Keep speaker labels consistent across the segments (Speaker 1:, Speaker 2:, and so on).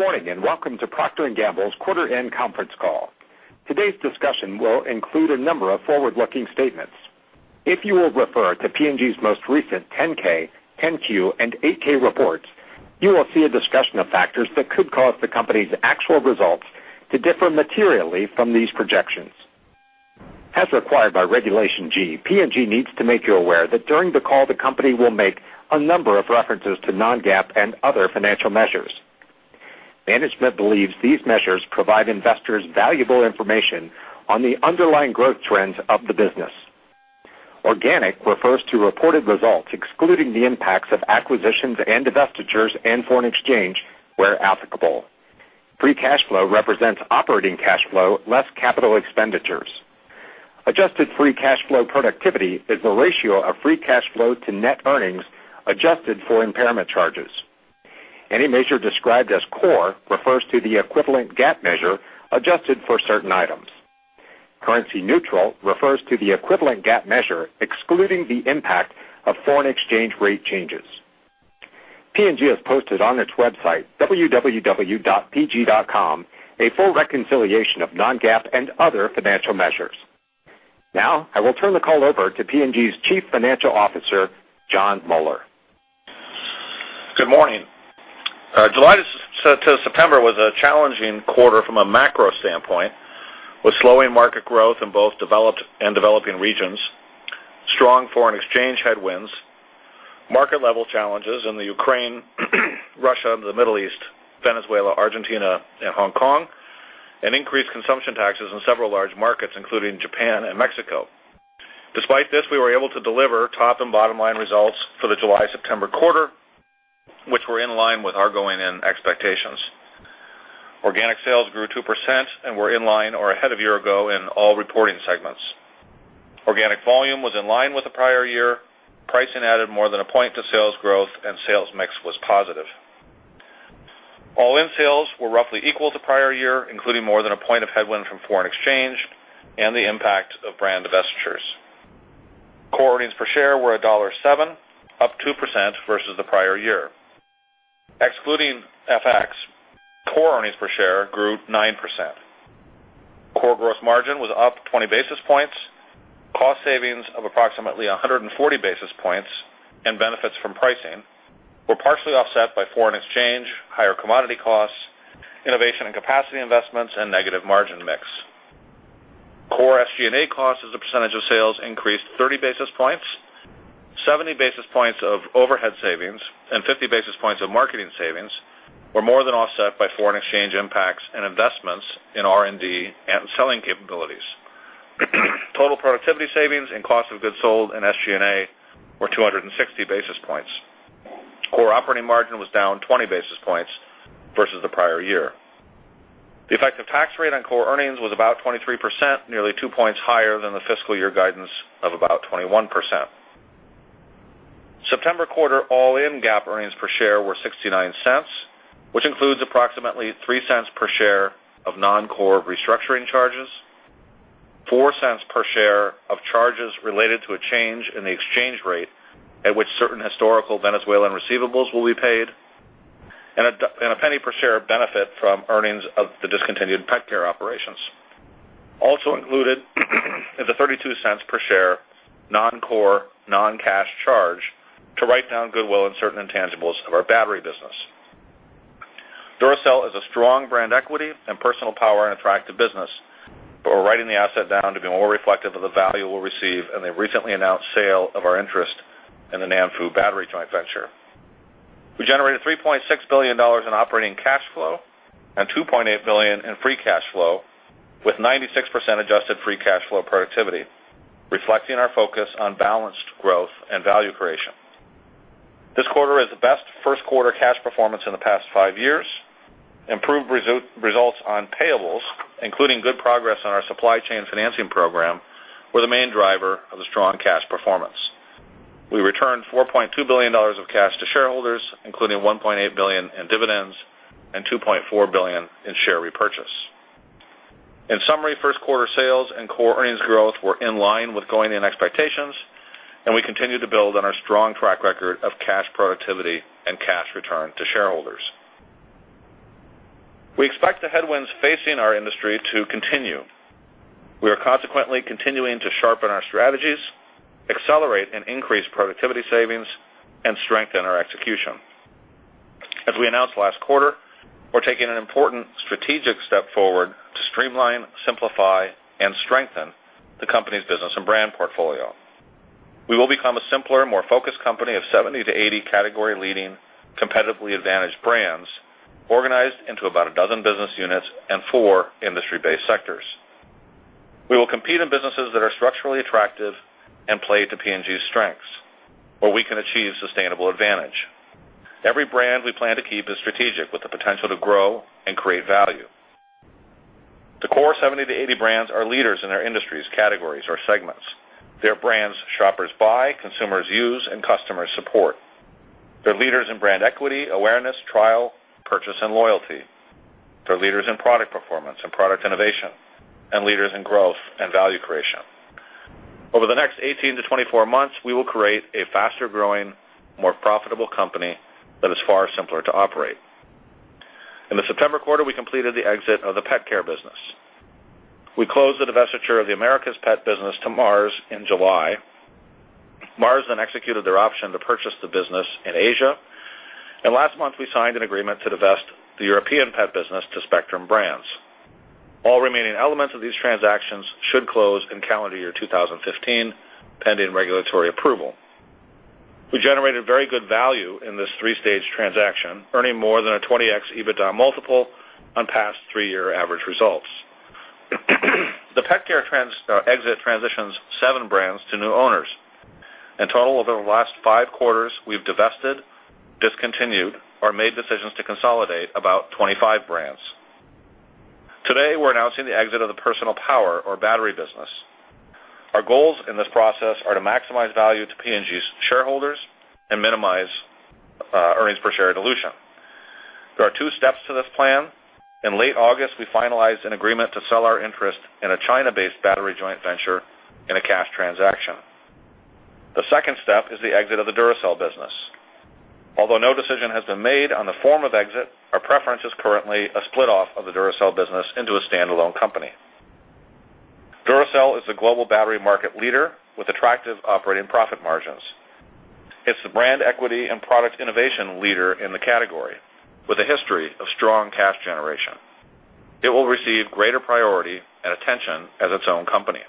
Speaker 1: Good morning, and welcome to Procter & Gamble's quarter-end conference call. Today's discussion will include a number of forward-looking statements. If you will refer to P&G's most recent 10-K, 10-Q, and 8-K reports, you will see a discussion of factors that could cause the company's actual results to differ materially from these projections. As required by Regulation G, P&G needs to make you aware that during the call, the company will make a number of references to non-GAAP and other financial measures. Management believes these measures provide investors valuable information on the underlying growth trends of the business. Organic refers to reported results, excluding the impacts of acquisitions and divestitures, and foreign exchange, where applicable. Free cash flow represents operating cash flow less capital expenditures. Adjusted free cash flow productivity is the ratio of free cash flow to net earnings adjusted for impairment charges. Any measure described as core refers to the equivalent GAAP measure adjusted for certain items. Currency neutral refers to the equivalent GAAP measure excluding the impact of foreign exchange rate changes. P&G has posted on its website, www.pg.com, a full reconciliation of non-GAAP and other financial measures. I will turn the call over to P&G's Chief Financial Officer, Jon Moeller.
Speaker 2: Good morning. July to September was a challenging quarter from a macro standpoint, with slowing market growth in both developed and developing regions, strong foreign exchange headwinds, market-level challenges in the Ukraine, Russia, the Middle East, Venezuela, Argentina, and Hong Kong, and increased consumption taxes in several large markets, including Japan and Mexico. Despite this, we were able to deliver top and bottom-line results for the July-September quarter, which were in line with our going-in expectations. Organic sales grew 2% and were in line or ahead of year-ago in all reporting segments. Organic volume was in line with the prior year. Pricing added more than a point to sales growth, and sales mix was positive. All-in sales were roughly equal to prior year, including more than a point of headwind from foreign exchange and the impact of brand divestitures. Core earnings per share were $1.07, up 2% versus the prior year. Excluding FX, core earnings per share grew 9%. Core gross margin was up 20 basis points. Cost savings of approximately 140 basis points and benefits from pricing were partially offset by foreign exchange, higher commodity costs, innovation and capacity investments, and negative margin mix. Core SG&A costs as a percentage of sales increased 30 basis points. 70 basis points of overhead savings and 50 basis points of marketing savings were more than offset by foreign exchange impacts and investments in R&D and selling capabilities. Total productivity savings and cost of goods sold and SG&A were 260 basis points. Core operating margin was down 20 basis points versus the prior year. The effective tax rate on core earnings was about 23%, nearly two points higher than the fiscal year guidance of about 21%. September quarter all-in GAAP earnings per share were $0.69, which includes approximately $0.03 per share of non-core restructuring charges, $0.04 per share of charges related to a change in the exchange rate at which certain historical Venezuelan receivables will be paid, and a $0.01 per share benefit from earnings of the discontinued pet care operations. Also included is a $0.32 per share non-core, non-cash charge to write down goodwill in certain intangibles of our battery business. Duracell is a strong brand equity and Personal Power an attractive business, but we're writing the asset down to be more reflective of the value we'll receive in the recently announced sale of our interest in the Nanfu Battery joint venture. We generated $3.6 billion in operating cash flow and $2.8 billion in free cash flow, with 96% adjusted free cash flow productivity, reflecting our focus on balanced growth and value creation. This quarter is the best first quarter cash performance in the past five years. Improved results on payables, including good progress on our supply chain financing program, were the main driver of the strong cash performance. We returned $4.2 billion of cash to shareholders, including $1.8 billion in dividends and $2.4 billion in share repurchase. In summary, first quarter sales and core earnings growth were in line with going-in expectations. We continue to build on our strong track record of cash productivity and cash return to shareholders. We expect the headwinds facing our industry to continue. We are consequently continuing to sharpen our strategies, accelerate and increase productivity savings, and strengthen our execution. As we announced last quarter, we're taking an important strategic step forward to streamline, simplify, and strengthen the company's business and brand portfolio. We will become a simpler, more focused company of 70-80 category-leading, competitively advantaged brands organized into 12 business units and four industry-based sectors. We will compete in businesses that are structurally attractive and play to P&G's strengths, where we can achieve sustainable advantage. Every brand we plan to keep is strategic with the potential to grow and create value. The core 70-80 brands are leaders in their industries, categories, or segments. They're brands shoppers buy, consumers use, and customers support. They're leaders in brand equity, awareness, trial, purchase, and loyalty. They're leaders in product performance and product innovation, and leaders in growth and value creation. Over the next 18-24 months, we will create a faster-growing, more profitable company that is far simpler to operate. In the September quarter, we completed the exit of the Pet Care business. We closed the divestiture of the Americas Pet business to Mars in July. Mars then executed their option to purchase the business in Asia. Last month, we signed an agreement to divest the European Pet business to Spectrum Brands. All remaining elements of these transactions should close in calendar year 2015, pending regulatory approval. We generated very good value in this three-stage transaction, earning more than a 20x EBITDA multiple on past three-year average results. The Pet Care exit transitions seven brands to new owners. In total, over the last five quarters, we've divested, discontinued, or made decisions to consolidate about 25 brands. Today, we're announcing the exit of the Personal Power or battery business. Our goals in this process are to maximize value to P&G's shareholders and minimize earnings per share dilution. There are two steps to this plan. In late August, we finalized an agreement to sell our interest in a China-based battery joint venture in a cash transaction. The second step is the exit of the Duracell business. Although no decision has been made on the form of exit, our preference is currently a split-off of the Duracell business into a standalone company. Duracell is the global battery market leader with attractive operating profit margins. It's the brand equity and product innovation leader in the category with a history of strong cash generation. It will receive greater priority and attention as its own company.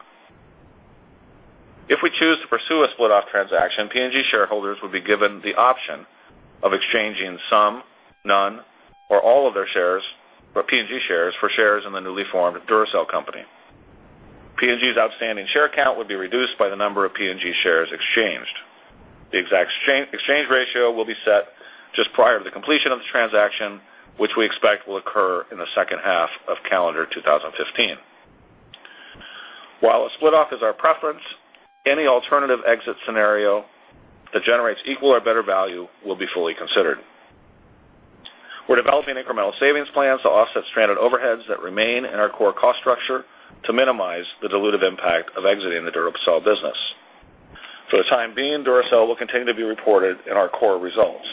Speaker 2: If we choose to pursue a split-off transaction, P&G shareholders would be given the option of exchanging some, none, or all of their P&G shares for shares in the newly formed Duracell company. P&G's outstanding share count would be reduced by the number of P&G shares exchanged. The exact exchange ratio will be set just prior to the completion of the transaction, which we expect will occur in the second half of calendar 2015. While a split-off is our preference, any alternative exit scenario that generates equal or better value will be fully considered. We're developing incremental savings plans to offset stranded overheads that remain in our core cost structure to minimize the dilutive impact of exiting the Duracell business. For the time being, Duracell will continue to be reported in our core results.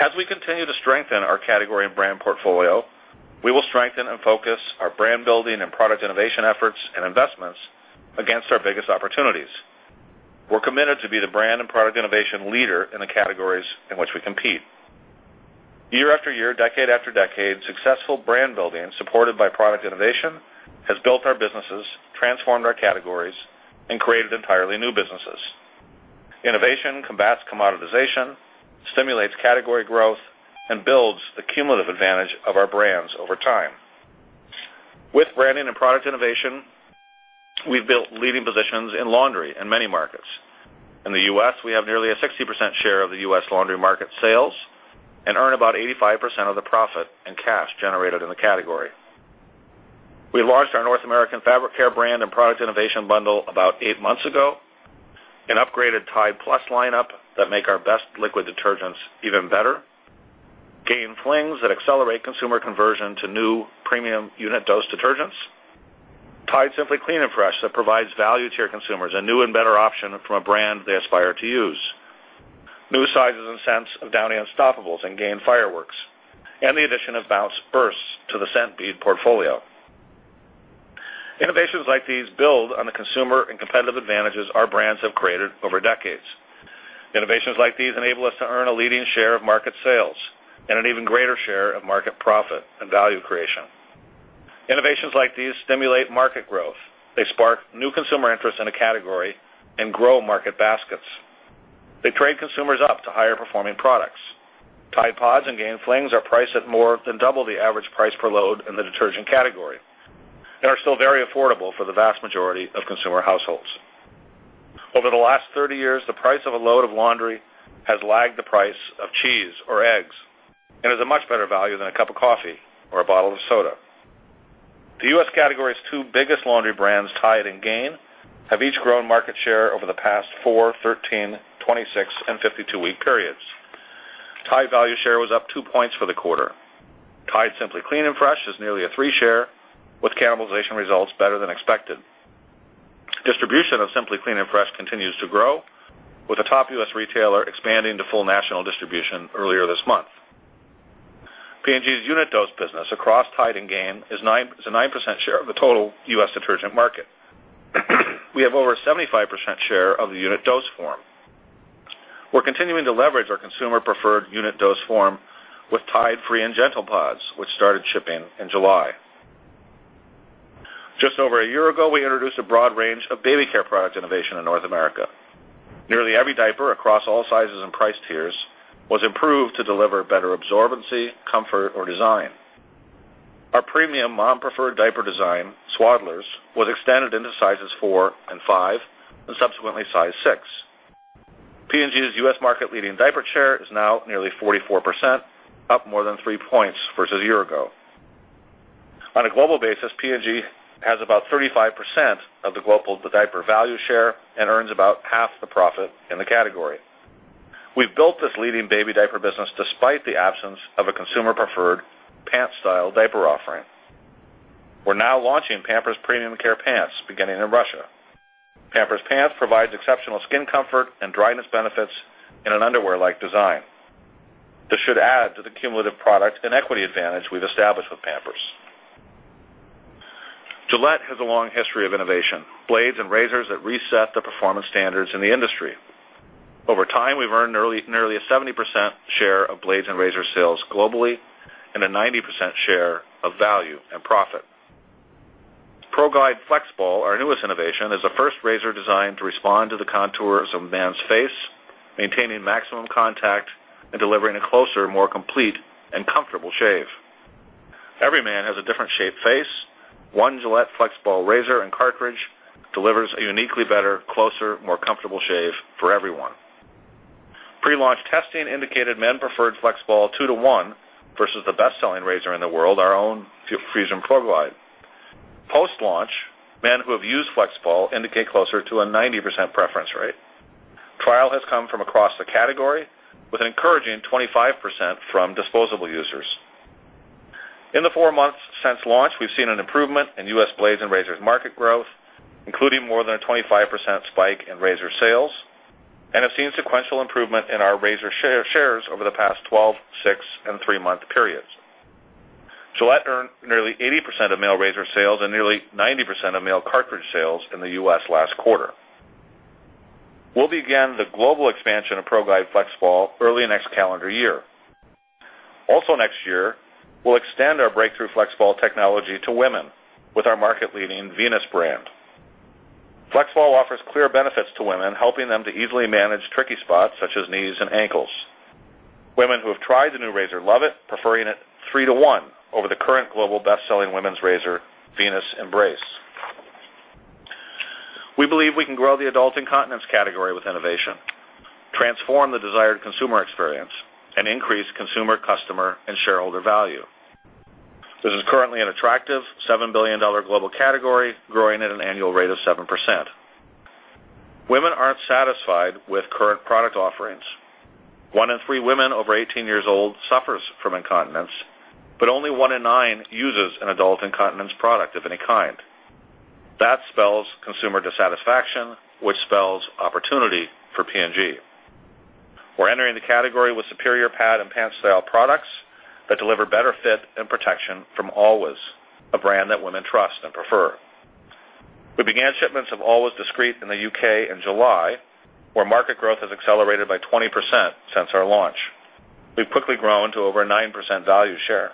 Speaker 2: As we continue to strengthen our category and brand portfolio, we will strengthen and focus our brand-building and product innovation efforts and investments against our biggest opportunities. We're committed to be the brand and product innovation leader in the categories in which we compete. Year after year, decade after decade, successful brand building supported by product innovation has built our businesses, transformed our categories, and created entirely new businesses. Innovation combats commoditization, stimulates category growth, and builds the cumulative advantage of our brands over time. With branding and product innovation, we've built leading positions in laundry in many markets. In the U.S., we have nearly a 60% share of the U.S. laundry market sales and earn about 85% of the profit and cash generated in the category. We launched our North American Fabric Care brand and product innovation bundle about eight months ago, an upgraded Tide+ lineup that make our best liquid detergents even better, Gain Flings that accelerate consumer conversion to new premium unit-dose detergents, Tide Simply Clean and Fresh that provides value to your consumers, a new and better option from a brand they aspire to use, new sizes and scents of Downy Unstoppables and Gain Fireworks, and the addition of Bounce Bursts to the scent bead portfolio. Innovations like these build on the consumer and competitive advantages our brands have created over decades. Innovations like these enable us to earn a leading share of market sales and an even greater share of market profit and value creation. Innovations like these stimulate market growth. They spark new consumer interest in a category and grow market baskets. They trade consumers up to higher-performing products. Tide PODS and Gain Flings are priced at more than double the average price per load in the detergent category and are still very affordable for the vast majority of consumer households. Over the last 30 years, the price of a load of laundry has lagged the price of cheese or eggs and is a much better value than a cup of coffee or a bottle of soda. The U.S. category's two biggest laundry brands, Tide and Gain, have each grown market share over the past 4, 13, 26, and 52-week periods. Tide value share was up two points for the quarter. Tide Simply Clean and Fresh is nearly a three share with cannibalization results better than expected. Distribution of Simply Clean and Fresh continues to grow, with a top U.S. retailer expanding to full national distribution earlier this month. P&G's unit dose business across Tide and Gain is a 9% share of the total U.S. detergent market. We have over a 75% share of the unit dose form. We're continuing to leverage our consumer-preferred unit dose form with Tide Free & Gentle PODS, which started shipping in July. Just over a year ago, we introduced a broad range of baby care product innovation in North America. Nearly every diaper across all sizes and price tiers was improved to deliver better absorbency, comfort, or design. Our premium mom-preferred diaper design, Swaddlers, was extended into sizes 4 and 5, and subsequently size 6. P&G's U.S. market-leading diaper share is now nearly 44%, up more than three points versus a year ago. On a global basis, P&G has about 35% of the global diaper value share and earns about half the profit in the category. We've built this leading baby diaper business despite the absence of a consumer-preferred pant-style diaper offering. We're now launching Pampers Premium Care Pants, beginning in Russia. Pampers Pants provides exceptional skin comfort and dryness benefits in an underwear-like design. This should add to the cumulative product and equity advantage we've established with Pampers. Gillette has a long history of innovation, blades and razors that reset the performance standards in the industry. Over time, we've earned nearly a 70% share of blades and razor sales globally and a 90% share of value and profit. ProGlide FlexBall, our newest innovation, is the first razor designed to respond to the contours of a man's face, maintaining maximum contact and delivering a closer, more complete, and comfortable shave. Every man has a different shaped face. One Gillette FlexBall razor and cartridge delivers a uniquely better, closer, more comfortable shave for everyone. Pre-launch testing indicated men preferred FlexBall 2 to 1 versus the best-selling razor in the world, our own Fusion ProGlide. Post-launch, men who have used FlexBall indicate closer to a 90% preference rate. Trial has come from across the category with an encouraging 25% from disposable users. In the four months since launch, we've seen an improvement in U.S. blades and razors market growth, including more than a 25% spike in razor sales, and have seen sequential improvement in our razor shares over the past 12, six, and three-month periods. Gillette earned nearly 80% of male razor sales and nearly 90% of male cartridge sales in the U.S. last quarter. We'll begin the global expansion of ProGlide FlexBall early next calendar year. Also next year, we'll extend our breakthrough FlexBall technology to women with our market-leading Venus brand. FlexBall offers clear benefits to women, helping them to easily manage tricky spots such as knees and ankles. Women who have tried the new razor love it, preferring it three to one over the current global best-selling women's razor, Venus Embrace. We believe we can grow the adult incontinence category with innovation, transform the desired consumer experience, and increase consumer, customer, and shareholder value. This is currently an attractive $7 billion global category, growing at an annual rate of 7%. Women aren't satisfied with current product offerings. One in three women over 18 years old suffers from incontinence, but only one in nine uses an adult incontinence product of any kind. That spells consumer dissatisfaction, which spells opportunity for P&G. We're entering the category with superior pad and pant-style products that deliver better fit and protection from Always, a brand that women trust and prefer. We began shipments of Always Discreet in the U.K. in July, where market growth has accelerated by 20% since our launch. We've quickly grown to over a 9% value share.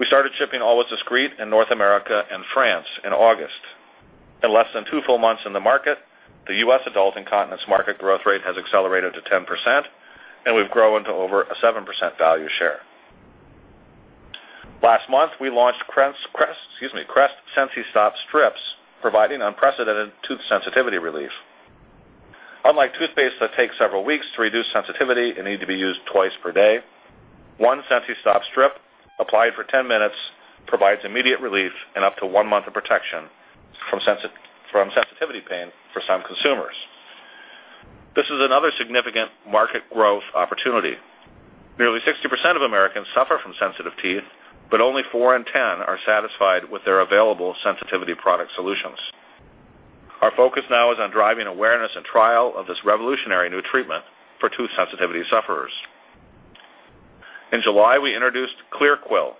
Speaker 2: We started shipping Always Discreet in North America and France in August. In less than two full months in the market, the U.S. adult incontinence market growth rate has accelerated to 10%, and we've grown to over a 7% value share. Last month, we launched Crest Sensi-Stop Strips, providing unprecedented tooth sensitivity relief. Unlike toothpaste that takes several weeks to reduce sensitivity and need to be used twice per day, one Sensi-Stop Strip applied for ten minutes provides immediate relief and up to one month of protection from sensitivity pain for some consumers. This is another significant market growth opportunity. Nearly 60% of Americans suffer from sensitive teeth, but only four in ten are satisfied with their available sensitivity product solutions. Our focus now is on driving awareness and trial of this revolutionary new treatment for tooth sensitivity sufferers. In July, we introduced QlearQuil,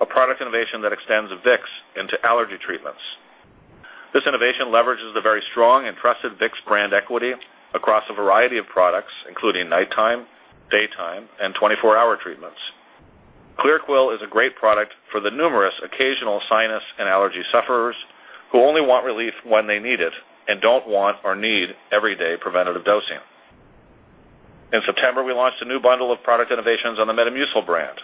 Speaker 2: a product innovation that extends Vicks into allergy treatments. This innovation leverages the very strong and trusted Vicks brand equity across a variety of products, including nighttime, daytime, and 24-hour treatments. QlearQuil is a great product for the numerous occasional sinus and allergy sufferers who only want relief when they need it and don't want or need everyday preventative dosing. In September, we launched a new bundle of product innovations on the Metamucil brand.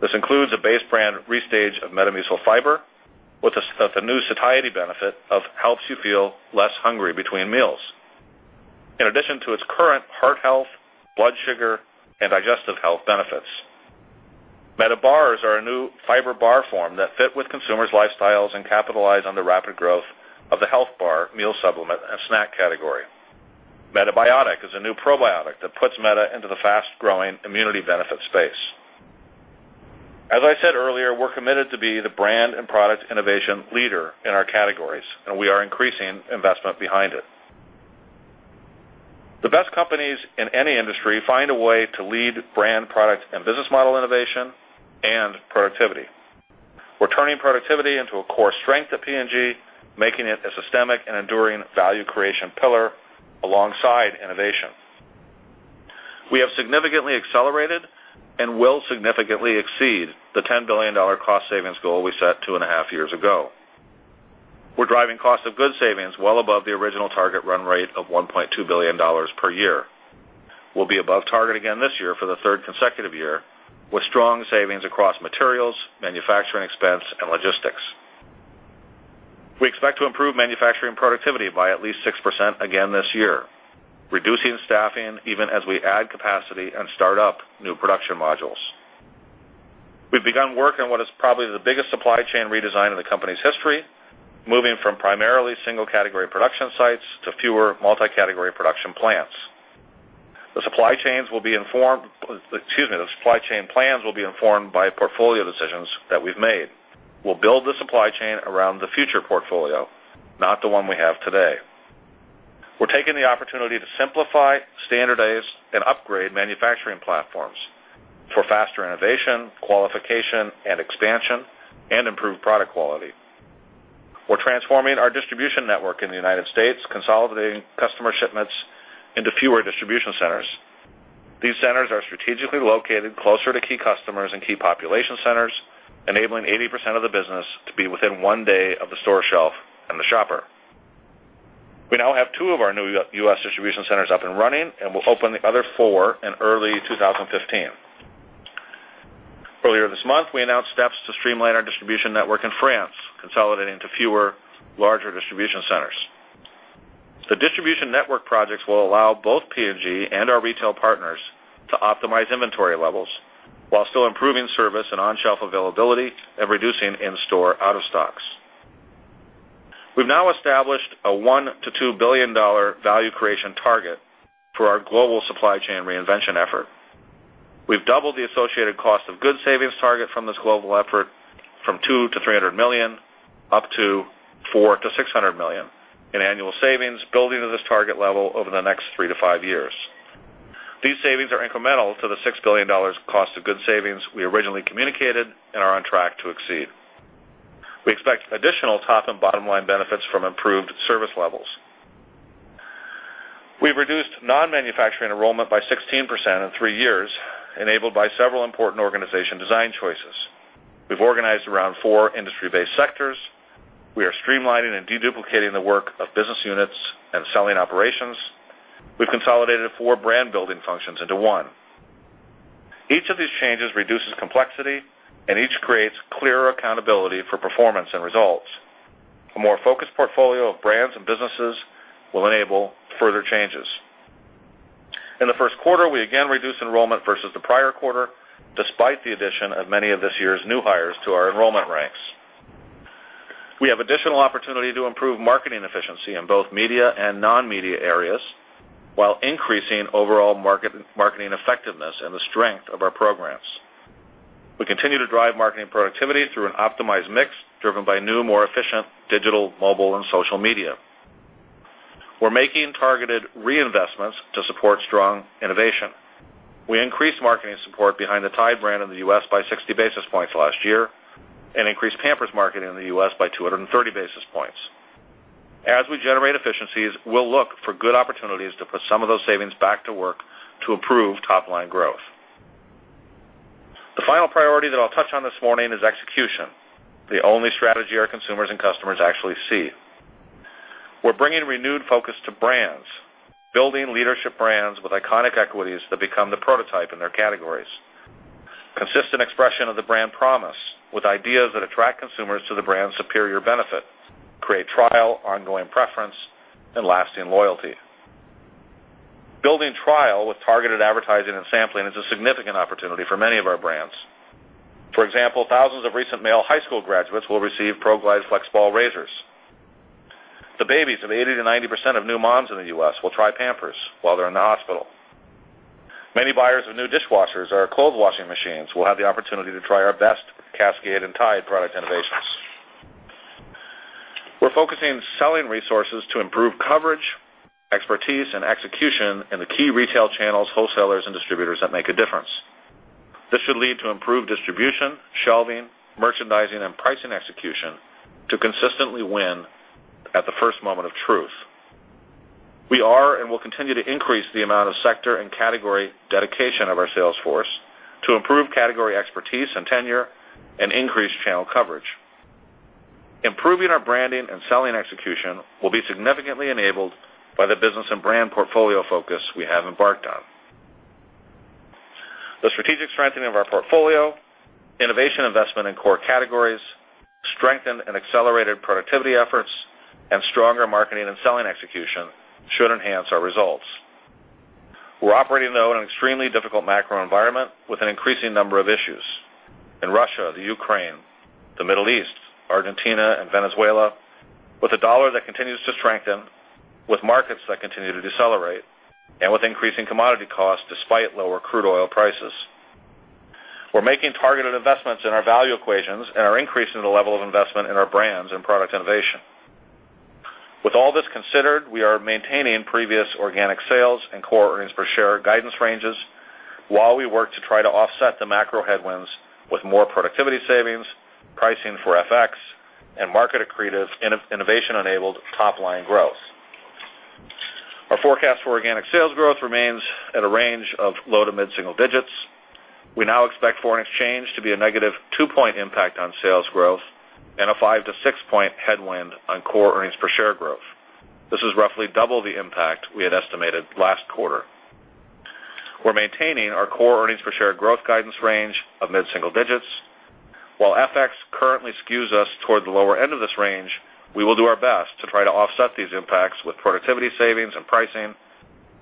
Speaker 2: This includes a base brand restage of Metamucil fiber with the new satiety benefit of helps you feel less hungry between meals. In addition to its current heart health, blood sugar, and digestive health benefits. MetaBars are a new fiber bar form that fit with consumers' lifestyles and capitalize on the rapid growth of the health bar meal supplement and snack category. MetaBiotic is a new probiotic that puts Meta into the fast-growing immunity benefit space. As I said earlier, we're committed to be the brand and product innovation leader in our categories, we are increasing investment behind it. The best companies in any industry find a way to lead brand, product, and business model innovation and productivity. We're turning productivity into a core strength at P&G, making it a systemic and enduring value creation pillar alongside innovation. We have significantly accelerated and will significantly exceed the $10 billion cost savings goal we set two and a half years ago. We're driving cost of goods savings well above the original target run rate of $1.2 billion per year. We'll be above target again this year for the third consecutive year with strong savings across materials, manufacturing expense, and logistics. We expect to improve manufacturing productivity by at least 6% again this year, reducing staffing even as we add capacity and start up new production modules. We've begun work on what is probably the biggest supply chain redesign in the company's history, moving from primarily single-category production sites to fewer multi-category production plants. The supply chain plans will be informed by portfolio decisions that we've made. We'll build the supply chain around the future portfolio, not the one we have today. We're taking the opportunity to simplify, standardize, and upgrade manufacturing platforms for faster innovation, qualification, and expansion, and improved product quality. We're transforming our distribution network in the United States, consolidating customer shipments into fewer distribution centers. These centers are strategically located closer to key customers and key population centers, enabling 80% of the business to be within one day of the store shelf and the shopper. We now have two of our new U.S. distribution centers up and running, and we'll open the other four in early 2015. Earlier this month, we announced steps to streamline our distribution network in France, consolidating to fewer, larger distribution centers. The distribution network projects will allow both P&G and our retail partners to optimize inventory levels while still improving service and on-shelf availability and reducing in-store out-of-stocks. We've now established a $1 billion-$2 billion value creation target for our global supply chain reinvention effort. We've doubled the associated cost of goods savings target from this global effort from $200 million-$300 million up to $400 million-$600 million in annual savings, building to this target level over the next three to five years. These savings are incremental to the $6 billion cost of goods savings we originally communicated, and are on track to exceed. We expect additional top and bottom-line benefits from improved service levels. We've reduced non-manufacturing enrollment by 16% in three years, enabled by several important organization design choices. We've organized around four industry-based sectors. We are streamlining and de-duplicating the work of business units and selling operations. We've consolidated four brand-building functions into one. Each of these changes reduces complexity, and each creates clearer accountability for performance and results. A more focused portfolio of brands and businesses will enable further changes. In the first quarter, we again reduced enrollment versus the prior quarter, despite the addition of many of this year's new hires to our enrollment ranks. We have additional opportunity to improve marketing efficiency in both media and non-media areas while increasing overall marketing effectiveness and the strength of our programs. We continue to drive marketing productivity through an optimized mix driven by new, more efficient digital, mobile, and social media. We're making targeted reinvestments to support strong innovation. We increased marketing support behind the Tide brand in the U.S. by 60 basis points last year and increased Pampers marketing in the U.S. by 230 basis points. As we generate efficiencies, we'll look for good opportunities to put some of those savings back to work to improve top-line growth. The final priority that I'll touch on this morning is execution, the only strategy our consumers and customers actually see. We're bringing renewed focus to brands, building leadership brands with iconic equities that become the prototype in their categories. Consistent expression of the brand promise with ideas that attract consumers to the brand's superior benefit, create trial, ongoing preference, and lasting loyalty. Building trial with targeted advertising and sampling is a significant opportunity for many of our brands. For example, thousands of recent male high school graduates will receive ProGlide FlexBall razors. The babies of 80%-90% of new moms in the U.S. will try Pampers while they're in the hospital. Many buyers of new dishwashers or clothes washing machines will have the opportunity to try our best Cascade and Tide product innovations. We're focusing selling resources to improve coverage, expertise, and execution in the key retail channels, wholesalers, and distributors that make a difference. This should lead to improved distribution, shelving, merchandising, and pricing execution to consistently win at the first moment of truth. We are and will continue to increase the amount of sector and category dedication of our sales force to improve category expertise and tenure and increase channel coverage. Improving our branding and selling execution will be significantly enabled by the business and brand portfolio focus we have embarked on. The strategic strengthening of our portfolio, innovation investment in core categories, strengthened and accelerated productivity efforts, and stronger marketing and selling execution should enhance our results. We're operating, though, in an extremely difficult macro environment with an increasing number of issues. In Russia, the Ukraine, the Middle East, Argentina, and Venezuela, with a dollar that continues to strengthen, with markets that continue to decelerate, and with increasing commodity costs despite lower crude oil prices. We're making targeted investments in our value equations and are increasing the level of investment in our brands and product innovation. With all this considered, we are maintaining previous organic sales and core earnings per share guidance ranges while we work to try to offset the macro headwinds with more productivity savings, pricing for FX, and market-accretive, innovation-enabled top-line growth. Our forecast for organic sales growth remains at a range of low to mid-single digits. We now expect foreign exchange to be a negative 2-point impact on sales growth and a 5- to 6-point headwind on core earnings per share growth. This is roughly double the impact we had estimated last quarter. We're maintaining our core earnings per share growth guidance range of mid-single digits. While FX currently skews us toward the lower end of this range, we will do our best to try to offset these impacts with productivity savings and pricing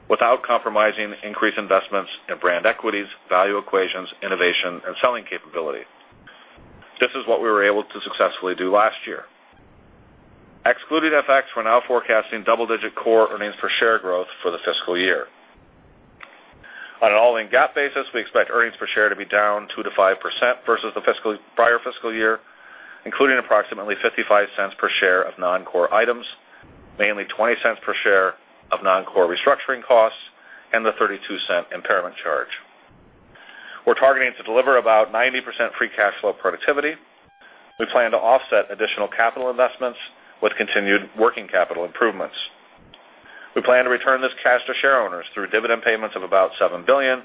Speaker 2: without compromising increased investments in brand equities, value equations, innovation, and selling capability. This is what we were able to successfully do last year. Excluding FX, we're now forecasting double-digit core earnings per share growth for the fiscal year. On an all-in GAAP basis, we expect earnings per share to be down 2%-5% versus the prior fiscal year, including approximately $0.55 per share of non-core items, mainly $0.20 per share of non-core restructuring costs, and the $0.32 impairment charge. We're targeting to deliver about 90% free cash flow productivity. We plan to offset additional capital investments with continued working capital improvements. We plan to return this cash to shareowners through dividend payments of about $7 billion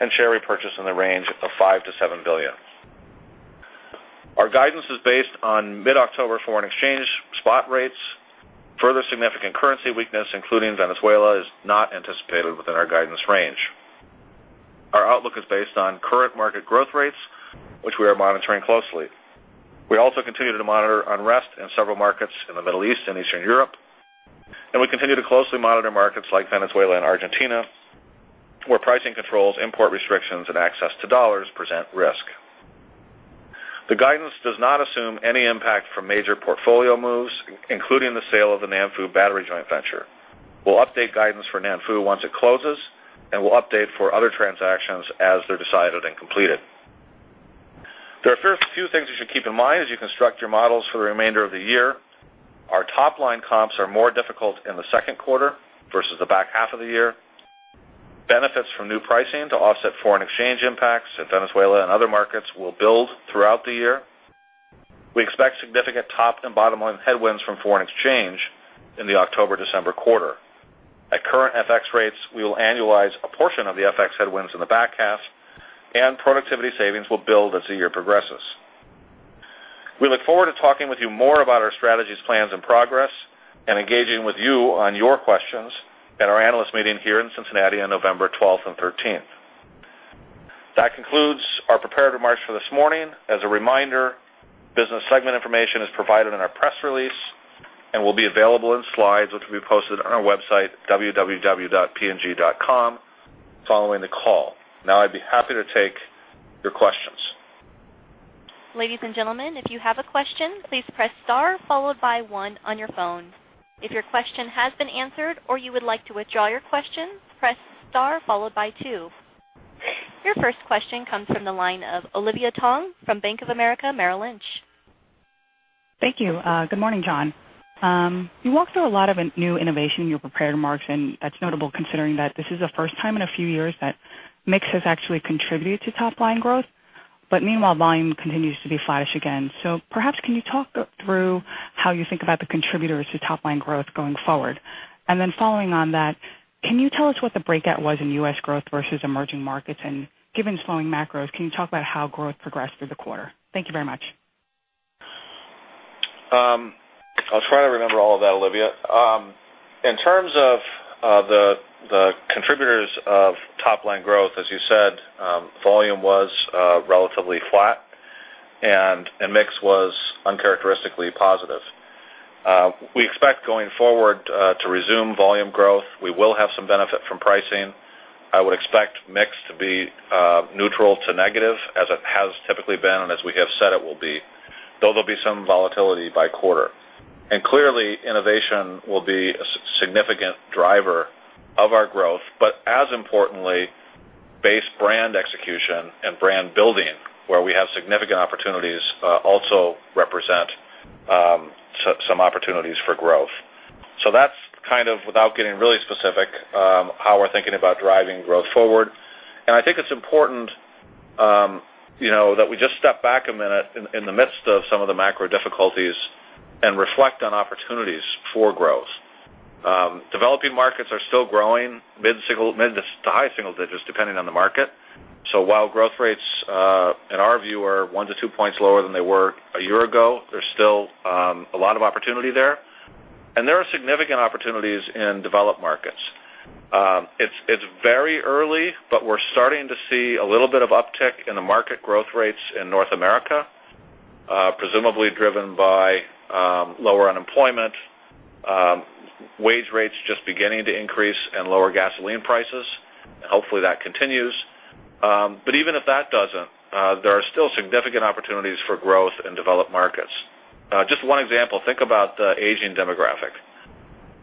Speaker 2: and share repurchase in the range of $5 billion-$7 billion. Our guidance is based on mid-October foreign exchange spot rates. Further significant currency weakness, including Venezuela, is not anticipated within our guidance range. Our outlook is based on current market growth rates, which we are monitoring closely. We also continue to monitor unrest in several markets in the Middle East and Eastern Europe, and we continue to closely monitor markets like Venezuela and Argentina, where pricing controls, import restrictions, and access to dollars present risk. The guidance does not assume any impact from major portfolio moves, including the sale of the Nanfu Battery joint venture. We'll update guidance for Nanfu once it closes, and we'll update for other transactions as they're decided and completed. There are a few things you should keep in mind as you construct your models for the remainder of the year. Our top-line comps are more difficult in the second quarter versus the back half of the year. Benefits from new pricing to offset foreign exchange impacts in Venezuela and other markets will build throughout the year. We expect significant top and bottom-line headwinds from foreign exchange in the October-December quarter. At current FX rates, we will annualize a portion of the FX headwinds in the back half, and productivity savings will build as the year progresses. We look forward to talking with you more about our strategies, plans, and progress, and engaging with you on your questions at our analyst meeting here in Cincinnati on November 12th and 13th. That concludes our prepared remarks for this morning. As a reminder, business segment information is provided in our press release and will be available in slides, which will be posted on our website, www.pg.com, following the call. Now I'd be happy to take your questions.
Speaker 1: Ladies and gentlemen, if you have a question, please press star followed by one on your phone. If your question has been answered or you would like to withdraw your question, press star followed by two. Your first question comes from the line of Olivia Tong from Bank of America Merrill Lynch.
Speaker 3: Thank you. Good morning, Jon. You walked through a lot of new innovation in your prepared remarks, that's notable considering that this is the first time in a few years that mix has actually contributed to top-line growth. Meanwhile, volume continues to be flatish again. Perhaps can you talk through how you think about the contributors to top-line growth going forward? Then following on that, can you tell us what the breakout was in U.S. growth versus emerging markets? Given slowing macros, can you talk about how growth progressed through the quarter? Thank you very much.
Speaker 2: I'll try to remember all of that, Olivia. In terms of the contributors of top-line growth, as you said, volume was relatively flat, mix was uncharacteristically positive. We expect going forward to resume volume growth. We will have some benefit from pricing. I would expect mix to be neutral to negative as it has typically been and as we have said it will be, though there'll be some volatility by quarter. Clearly, innovation will be a significant driver of our growth, but as importantly, base brand execution and brand building, where we have significant opportunities, also represent some opportunities for growth. That's kind of, without getting really specific, how we're thinking about driving growth forward. I think it's important that we just step back a minute in the midst of some of the macro difficulties and reflect on opportunities for growth. Developing markets are still growing mid to high single digits, depending on the market. While growth rates, in our view, are one to two points lower than they were a year ago, there's still a lot of opportunity there. There are significant opportunities in developed markets. It's very early, but we're starting to see a little bit of uptick in the market growth rates in North America, presumably driven by lower unemployment, wage rates just beginning to increase, and lower gasoline prices. Hopefully, that continues. Even if that doesn't, there are still significant opportunities for growth in developed markets. Just one example, think about the aging demographic.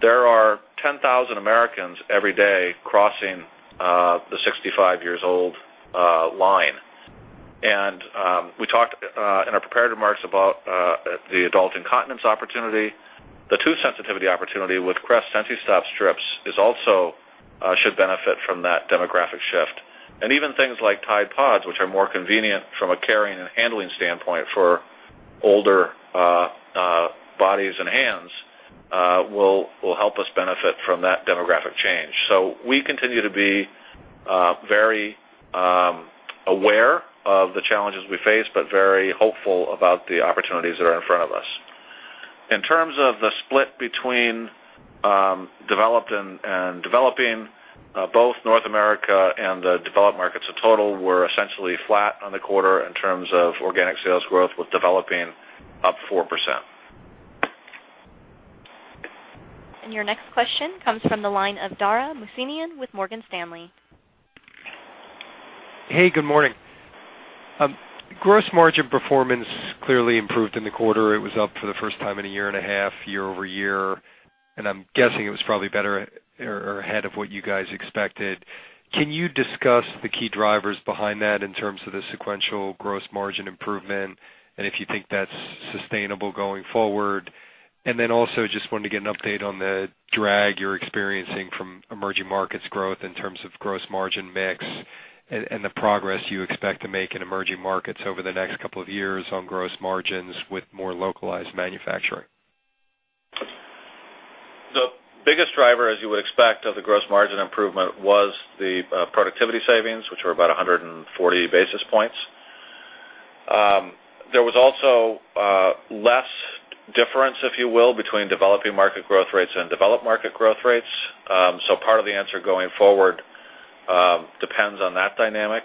Speaker 2: There are 10,000 Americans every day crossing the 65 years old line. We talked in our prepared remarks about the adult incontinence opportunity. The tooth sensitivity opportunity with Crest Sensi-Stop Strips also should benefit from that demographic shift. Even things like Tide PODS, which are more convenient from a carrying and handling standpoint for older bodies and hands, will help us benefit from that demographic change. We continue to be very aware of the challenges we face, but very hopeful about the opportunities that are in front of us. In terms of the split between developed and developing, both North America and the developed markets as a total were essentially flat on the quarter in terms of organic sales growth with developing up 4%.
Speaker 1: Your next question comes from the line of Dara Mohsenian with Morgan Stanley.
Speaker 4: Hey, good morning. Gross margin performance clearly improved in the quarter. It was up for the first time in a year and a half, year-over-year. I'm guessing it was probably better or ahead of what you guys expected. Can you discuss the key drivers behind that in terms of the sequential gross margin improvement and if you think that's sustainable going forward? Also, just wanted to get an update on the drag you're experiencing from emerging markets growth in terms of gross margin mix and the progress you expect to make in emerging markets over the next two years on gross margins with more localized manufacturing.
Speaker 2: The biggest driver, as you would expect, of the gross margin improvement was the productivity savings, which were about 140 basis points. There was also less difference, if you will, between developing market growth rates and developed market growth rates. Part of the answer going forward depends on that dynamic.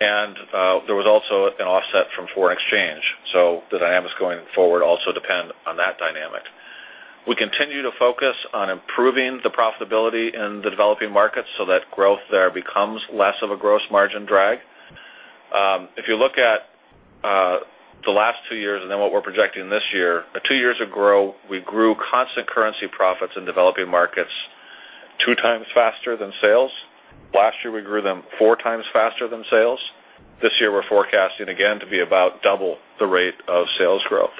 Speaker 2: There was also an offset from foreign exchange. The dynamics going forward also depend on that dynamic. We continue to focus on improving the profitability in the developing markets so that growth there becomes less of a gross margin drag. If you look at the last two years and then what we're projecting this year, two years ago, we grew constant currency profits in developing markets two times faster than sales. Last year, we grew them four times faster than sales. This year, we're forecasting again to be about double the rate of sales growth.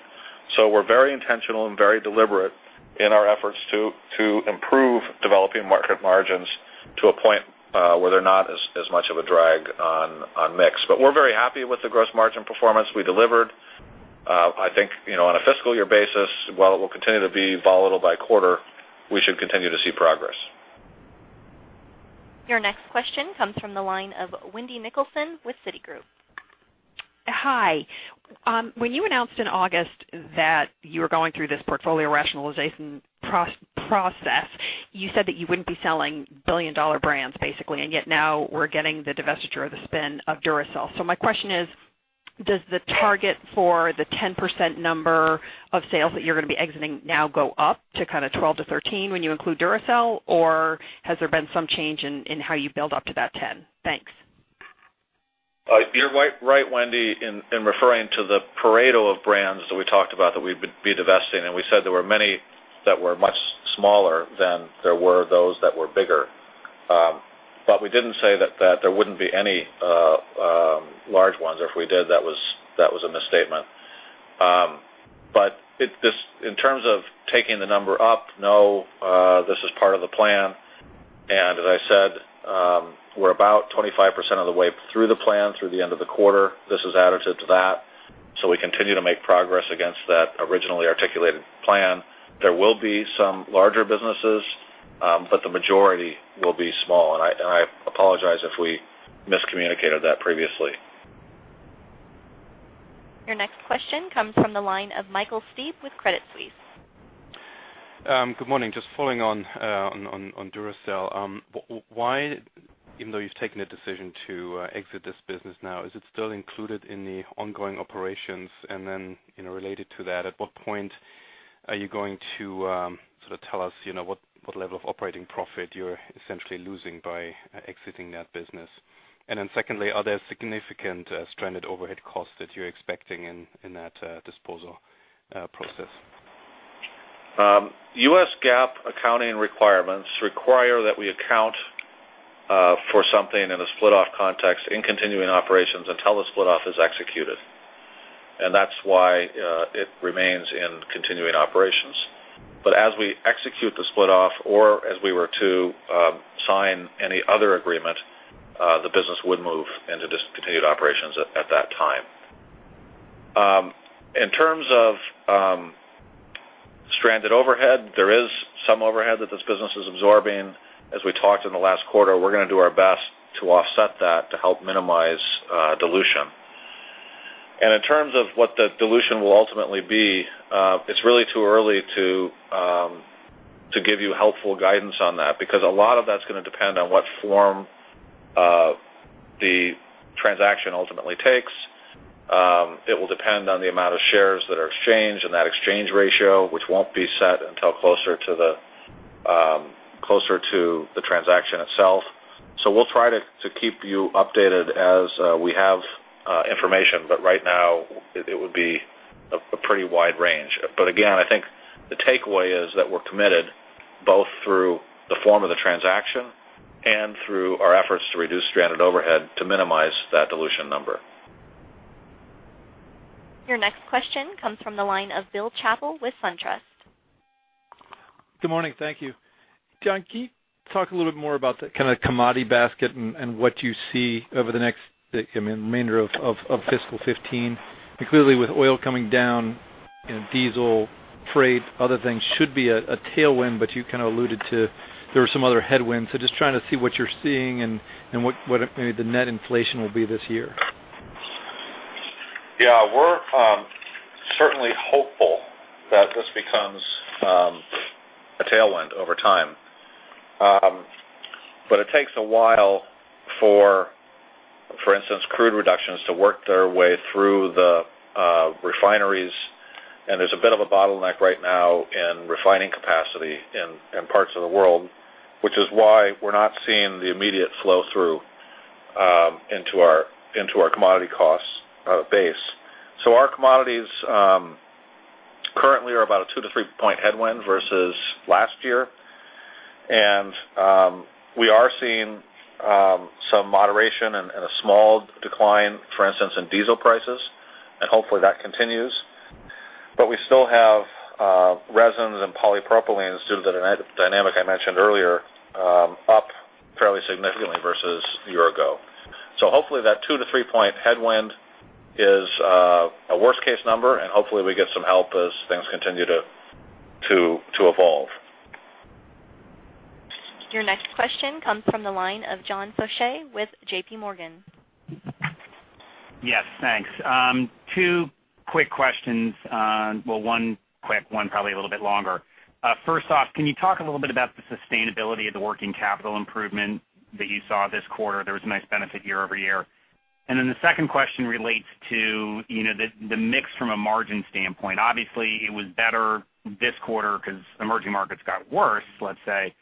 Speaker 2: We're very intentional and very deliberate in our efforts to improve developing market margins to a point where they're not as much of a drag on mix. We're very happy with the gross margin performance we delivered. I think on a fiscal year basis, while it will continue to be volatile by quarter, we should continue to see progress.
Speaker 1: Your next question comes from the line of Wendy Nicholson with Citigroup.
Speaker 5: Hi. When you announced in August that you were going through this portfolio rationalization process, you said that you wouldn't be selling billion-dollar brands, basically, and yet now we're getting the divestiture or the spin of Duracell. My question is, does the target for the 10% number of sales that you're going to be exiting now go up to 12%-13% when you include Duracell? Has there been some change in how you build up to that 10%? Thanks.
Speaker 2: You're right, Wendy, in referring to the Pareto of brands that we talked about that we'd be divesting. We said there were many that were much smaller than there were those that were bigger. We didn't say that there wouldn't be any large ones, or if we did, that was a misstatement. In terms of taking the number up, no, this is part of the plan. As I said, we're about 25% of the way through the plan through the end of the quarter. This is additive to that. We continue to make progress against that originally articulated plan. There will be some larger businesses, but the majority will be small, and I apologize if we miscommunicated that previously.
Speaker 1: Your next question comes from the line of Michael Steib with Credit Suisse.
Speaker 6: Good morning. Just following on Duracell. Why, even though you've taken a decision to exit this business now, is it still included in the ongoing operations? Related to that, at what point are you going to sort of tell us what level of operating profit you're essentially losing by exiting that business? Secondly, are there significant stranded overhead costs that you're expecting in that disposal process?
Speaker 2: U.S. GAAP accounting requirements require that we account for something in a split-off context in continuing operations until the split-off is executed. That's why it remains in continuing operations. As we execute the split-off, or as we were to sign any other agreement, the business would move into discontinued operations at that time. In terms of stranded overhead, there is some overhead that this business is absorbing. As we talked in the last quarter, we're going to do our best to offset that to help minimize dilution. In terms of what the dilution will ultimately be, it's really too early to give you helpful guidance on that, because a lot of that's going to depend on what form the transaction ultimately takes. It will depend on the amount of shares that are exchanged and that exchange ratio, which won't be set until closer to the transaction itself. We'll try to keep you updated as we have information, but right now it would be a pretty wide range. Again, I think the takeaway is that we're committed, both through the form of the transaction and through our efforts to reduce stranded overhead to minimize that dilution number.
Speaker 1: Your next question comes from the line of Bill Chappell with SunTrust.
Speaker 7: Good morning. Thank you. Jon, can you talk a little bit more about the kind of commodity basket and what you see over the next, I mean, remainder of fiscal 2015? Clearly with oil coming down, diesel, freight, other things should be a tailwind, but you kind of alluded to there were some other headwinds. Just trying to see what you're seeing and what maybe the net inflation will be this year.
Speaker 2: Yes. We're certainly hopeful that this becomes a tailwind over time. It takes a while, for instance, crude reductions to work their way through the refineries, and there's a bit of a bottleneck right now in refining capacity in parts of the world, which is why we're not seeing the immediate flow-through into our commodity cost base. Our commodities currently are about a two- to three-point headwind versus last year. We are seeing some moderation and a small decline, for instance, in diesel prices, and hopefully that continues. We still have resins and polypropylenes, due to the dynamic I mentioned earlier, up fairly significantly versus a year ago. Hopefully that two- to three-point headwind is a worst-case number, and hopefully we get some help as things continue to evolve.
Speaker 1: Your next question comes from the line of John Faucher with JPMorgan.
Speaker 8: Yes, thanks. Two quick questions. Well, one quick, one probably a little bit longer. First off, can you talk a little bit about the sustainability of the working capital improvement that you saw this quarter? There was a nice benefit year-over-year. The second question relates to the mix from a margin standpoint. Obviously, it was better this quarter because emerging markets got worse, let's say.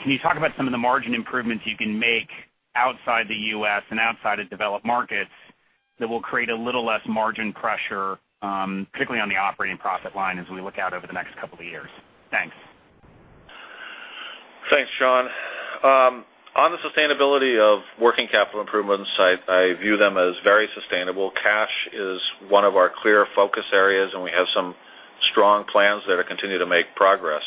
Speaker 8: Can you talk about some of the margin improvements you can make outside the U.S. and outside of developed markets that will create a little less margin pressure, particularly on the operating profit line as we look out over the next couple of years? Thanks.
Speaker 2: Thanks, Jon. On the sustainability of working capital improvements, I view them as very sustainable. Cash is one of our clear focus areas, and we have some strong plans there to continue to make progress.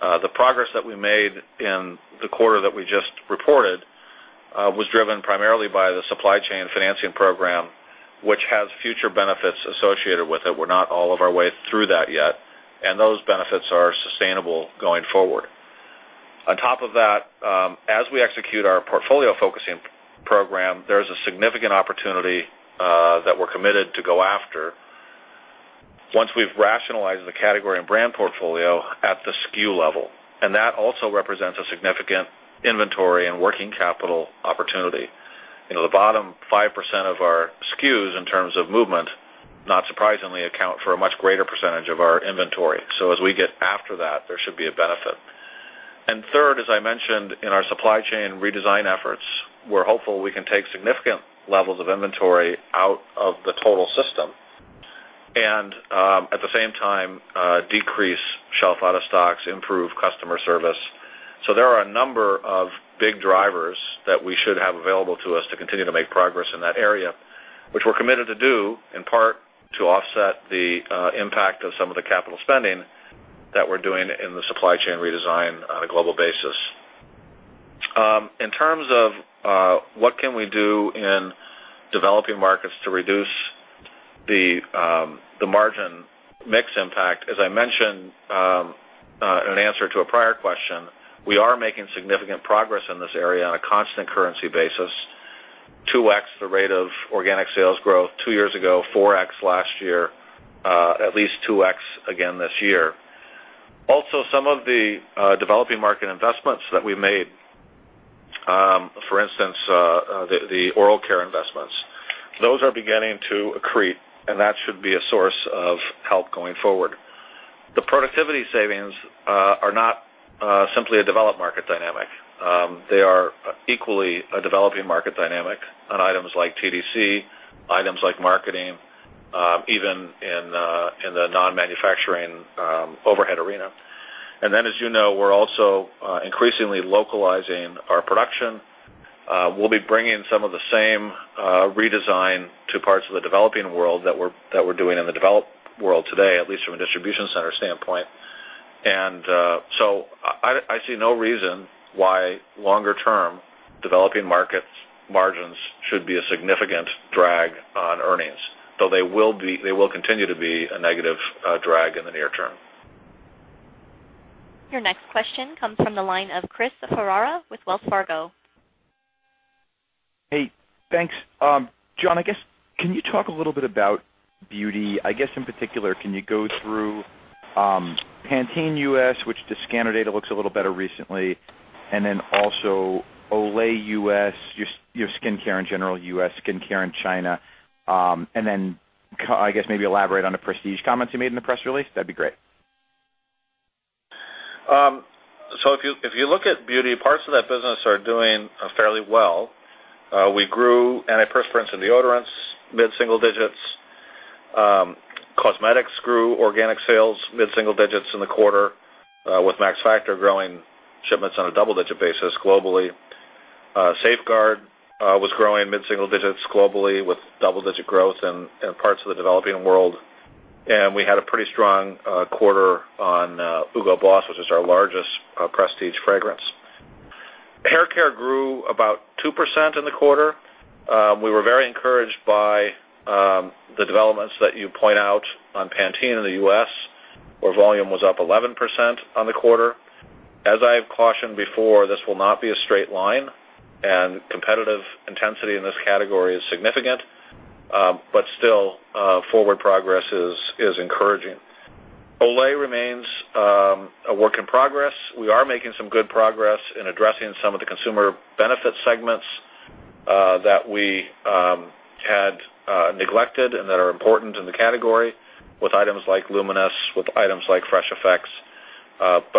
Speaker 2: The progress that we made in the quarter that we just reported was driven primarily by the supply chain financing program, which has future benefits associated with it. We're not all of our way through that yet, and those benefits are sustainable going forward. On top of that, as we execute our portfolio-focusing program, there is a significant opportunity that we're committed to go after once we've rationalized the category and brand portfolio at the SKU level. That also represents a significant inventory and working capital opportunity. The bottom 5% of our SKUs, in terms of movement, not surprisingly, account for a much greater percentage of our inventory. As we get after that, there should be a benefit. Third, as I mentioned, in our supply chain redesign efforts, we're hopeful we can take significant levels of inventory out of the total system and, at the same time, decrease shelf out-of-stocks, improve customer service. There are a number of big drivers that we should have available to us to continue to make progress in that area, which we're committed to do, in part, to offset the impact of some of the capital spending that we're doing in the supply chain redesign on a global basis. In terms of what can we do in developing markets to reduce the margin mix impact, as I mentioned in an answer to a prior question, we are making significant progress in this area on a constant currency basis. 2x the rate of organic sales growth two years ago. 4x last year. At least 2x again this year. Also, some of the developing market investments that we made, for instance, the oral care investments, those are beginning to accrete, and that should be a source of help going forward. The productivity savings are not simply a developed market dynamic. They are equally a developing market dynamic on items like TDC, items like marketing, even in the non-manufacturing overhead arena. Then, as you know, we're also increasingly localizing our production. We'll be bringing some of the same redesign to parts of the developing world that we're doing in the developed world today, at least from a distribution center standpoint. I see no reason why longer-term developing markets margins should be a significant drag on earnings, though they will continue to be a negative drag in the near term.
Speaker 1: Your next question comes from the line of Chris Ferrara with Wells Fargo.
Speaker 9: Hey, thanks. Jon, can you talk a little bit about beauty? In particular, can you go through Pantene U.S., which the scanner data looks a little better recently, and then also Olay U.S., your skincare in general U.S., skincare in China, and then maybe elaborate on the prestige comments you made in the press release, that'd be great.
Speaker 2: If you look at beauty, parts of that business are doing fairly well. We grew antiperspirant and deodorants mid-single digits. Cosmetics grew organic sales mid-single digits in the quarter, with Max Factor growing shipments on a double-digit basis globally. Safeguard was growing mid-single digits globally with double-digit growth in parts of the developing world. We had a pretty strong quarter on Hugo Boss, which is our largest prestige fragrance. Hair care grew about 2% in the quarter. We were very encouraged by the developments that you point out on Pantene in the U.S., where volume was up 11% on the quarter. As I have cautioned before, this will not be a straight line, and competitive intensity in this category is significant. Forward progress is encouraging. Olay remains a work in progress. We are making some good progress in addressing some of the consumer benefit segments that we had neglected and that are important in the category, with items like Luminous, with items like Fresh Effects.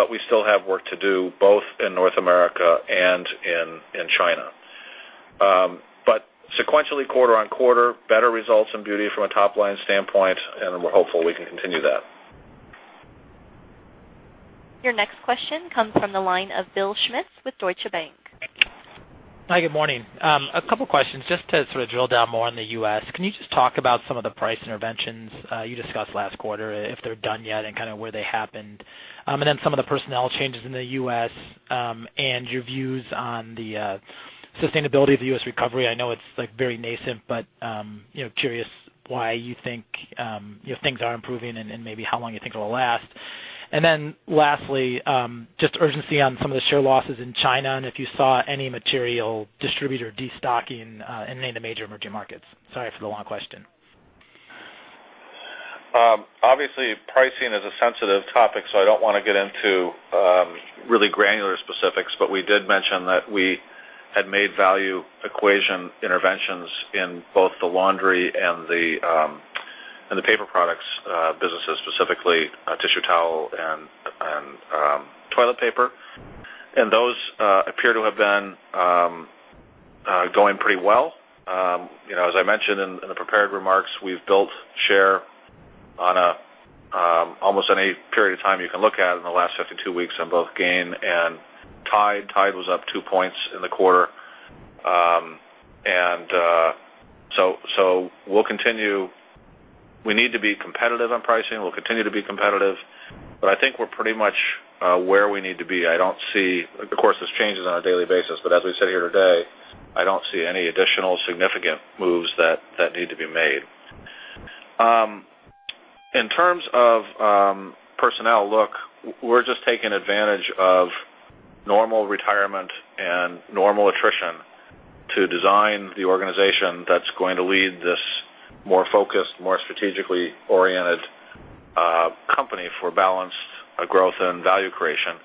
Speaker 2: We still have work to do, both in North America and in China. Sequentially, quarter on quarter, better results in beauty from a top-line standpoint, we're hopeful we can continue that.
Speaker 1: Your next question comes from the line of Bill Schmitz with Deutsche Bank.
Speaker 10: Hi, good morning. A couple questions just to sort of drill down more on the U.S. Can you just talk about some of the price interventions you discussed last quarter, if they're done yet, and kind of where they happened? Some of the personnel changes in the U.S., and your views on the sustainability of the U.S. recovery. I know it's very nascent, but curious why you think things are improving and maybe how long you think it'll last. Lastly, just urgency on some of the share losses in China, and if you saw any material distributor destocking in any of the major emerging markets. Sorry for the long question.
Speaker 2: Obviously, pricing is a sensitive topic, so I don't want to get into really granular specifics, but we did mention that we had made value equation interventions in both the laundry and the paper products businesses, specifically tissue towel and toilet paper. Those appear to have been going pretty well. As I mentioned in the prepared remarks, we've built share on almost any period of time you can look at in the last 52 weeks on both Gain and Tide. Tide was up two points in the quarter. We'll continue. We need to be competitive on pricing. We'll continue to be competitive, but I think we're pretty much where we need to be. Of course, this changes on a daily basis, but as we sit here today, I don't see any additional significant moves that need to be made. In terms of personnel, look, we're just taking advantage of normal retirement and normal attrition to design the organization that's going to lead this more focused, more strategically oriented company for balanced growth and value creation.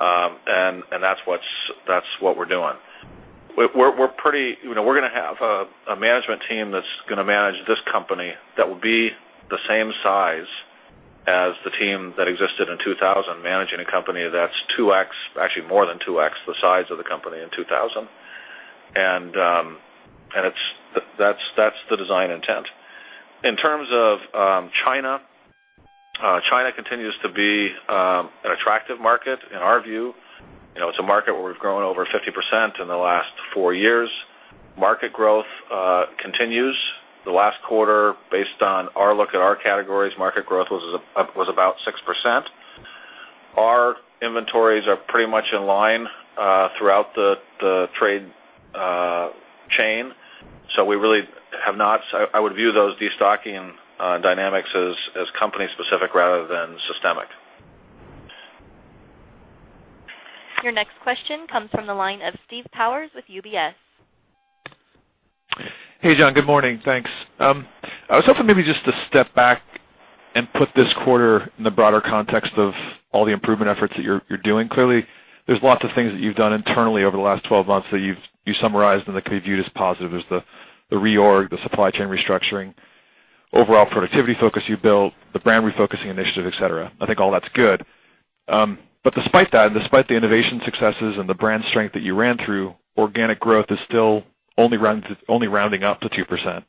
Speaker 2: That's what we're doing. We're going to have a management team that's going to manage this company that will be the same size as the team that existed in 2000, managing a company that's 2x, actually more than 2x, the size of the company in 2000. That's the design intent. In terms of China continues to be an attractive market in our view. It's a market where we've grown over 50% in the last four years. Market growth continues. The last quarter, based on our look at our categories, market growth was about 6%. Our inventories are pretty much in line throughout the trade chain. I would view those destocking dynamics as company specific rather than systemic.
Speaker 1: Your next question comes from the line of Steve Powers with UBS.
Speaker 11: Hey, Jon. Good morning. Thanks. I was hoping maybe just to step back and put this quarter in the broader context of all the improvement efforts that you're doing. Clearly, there's lots of things that you've done internally over the last 12 months that you summarized and that can be viewed as positive. There's the reorg, the supply chain restructuring, overall productivity focus you built, the brand refocusing initiative, et cetera. I think all that's good. Despite that, and despite the innovation successes and the brand strength that you ran through, organic growth is still only rounding up to 2%.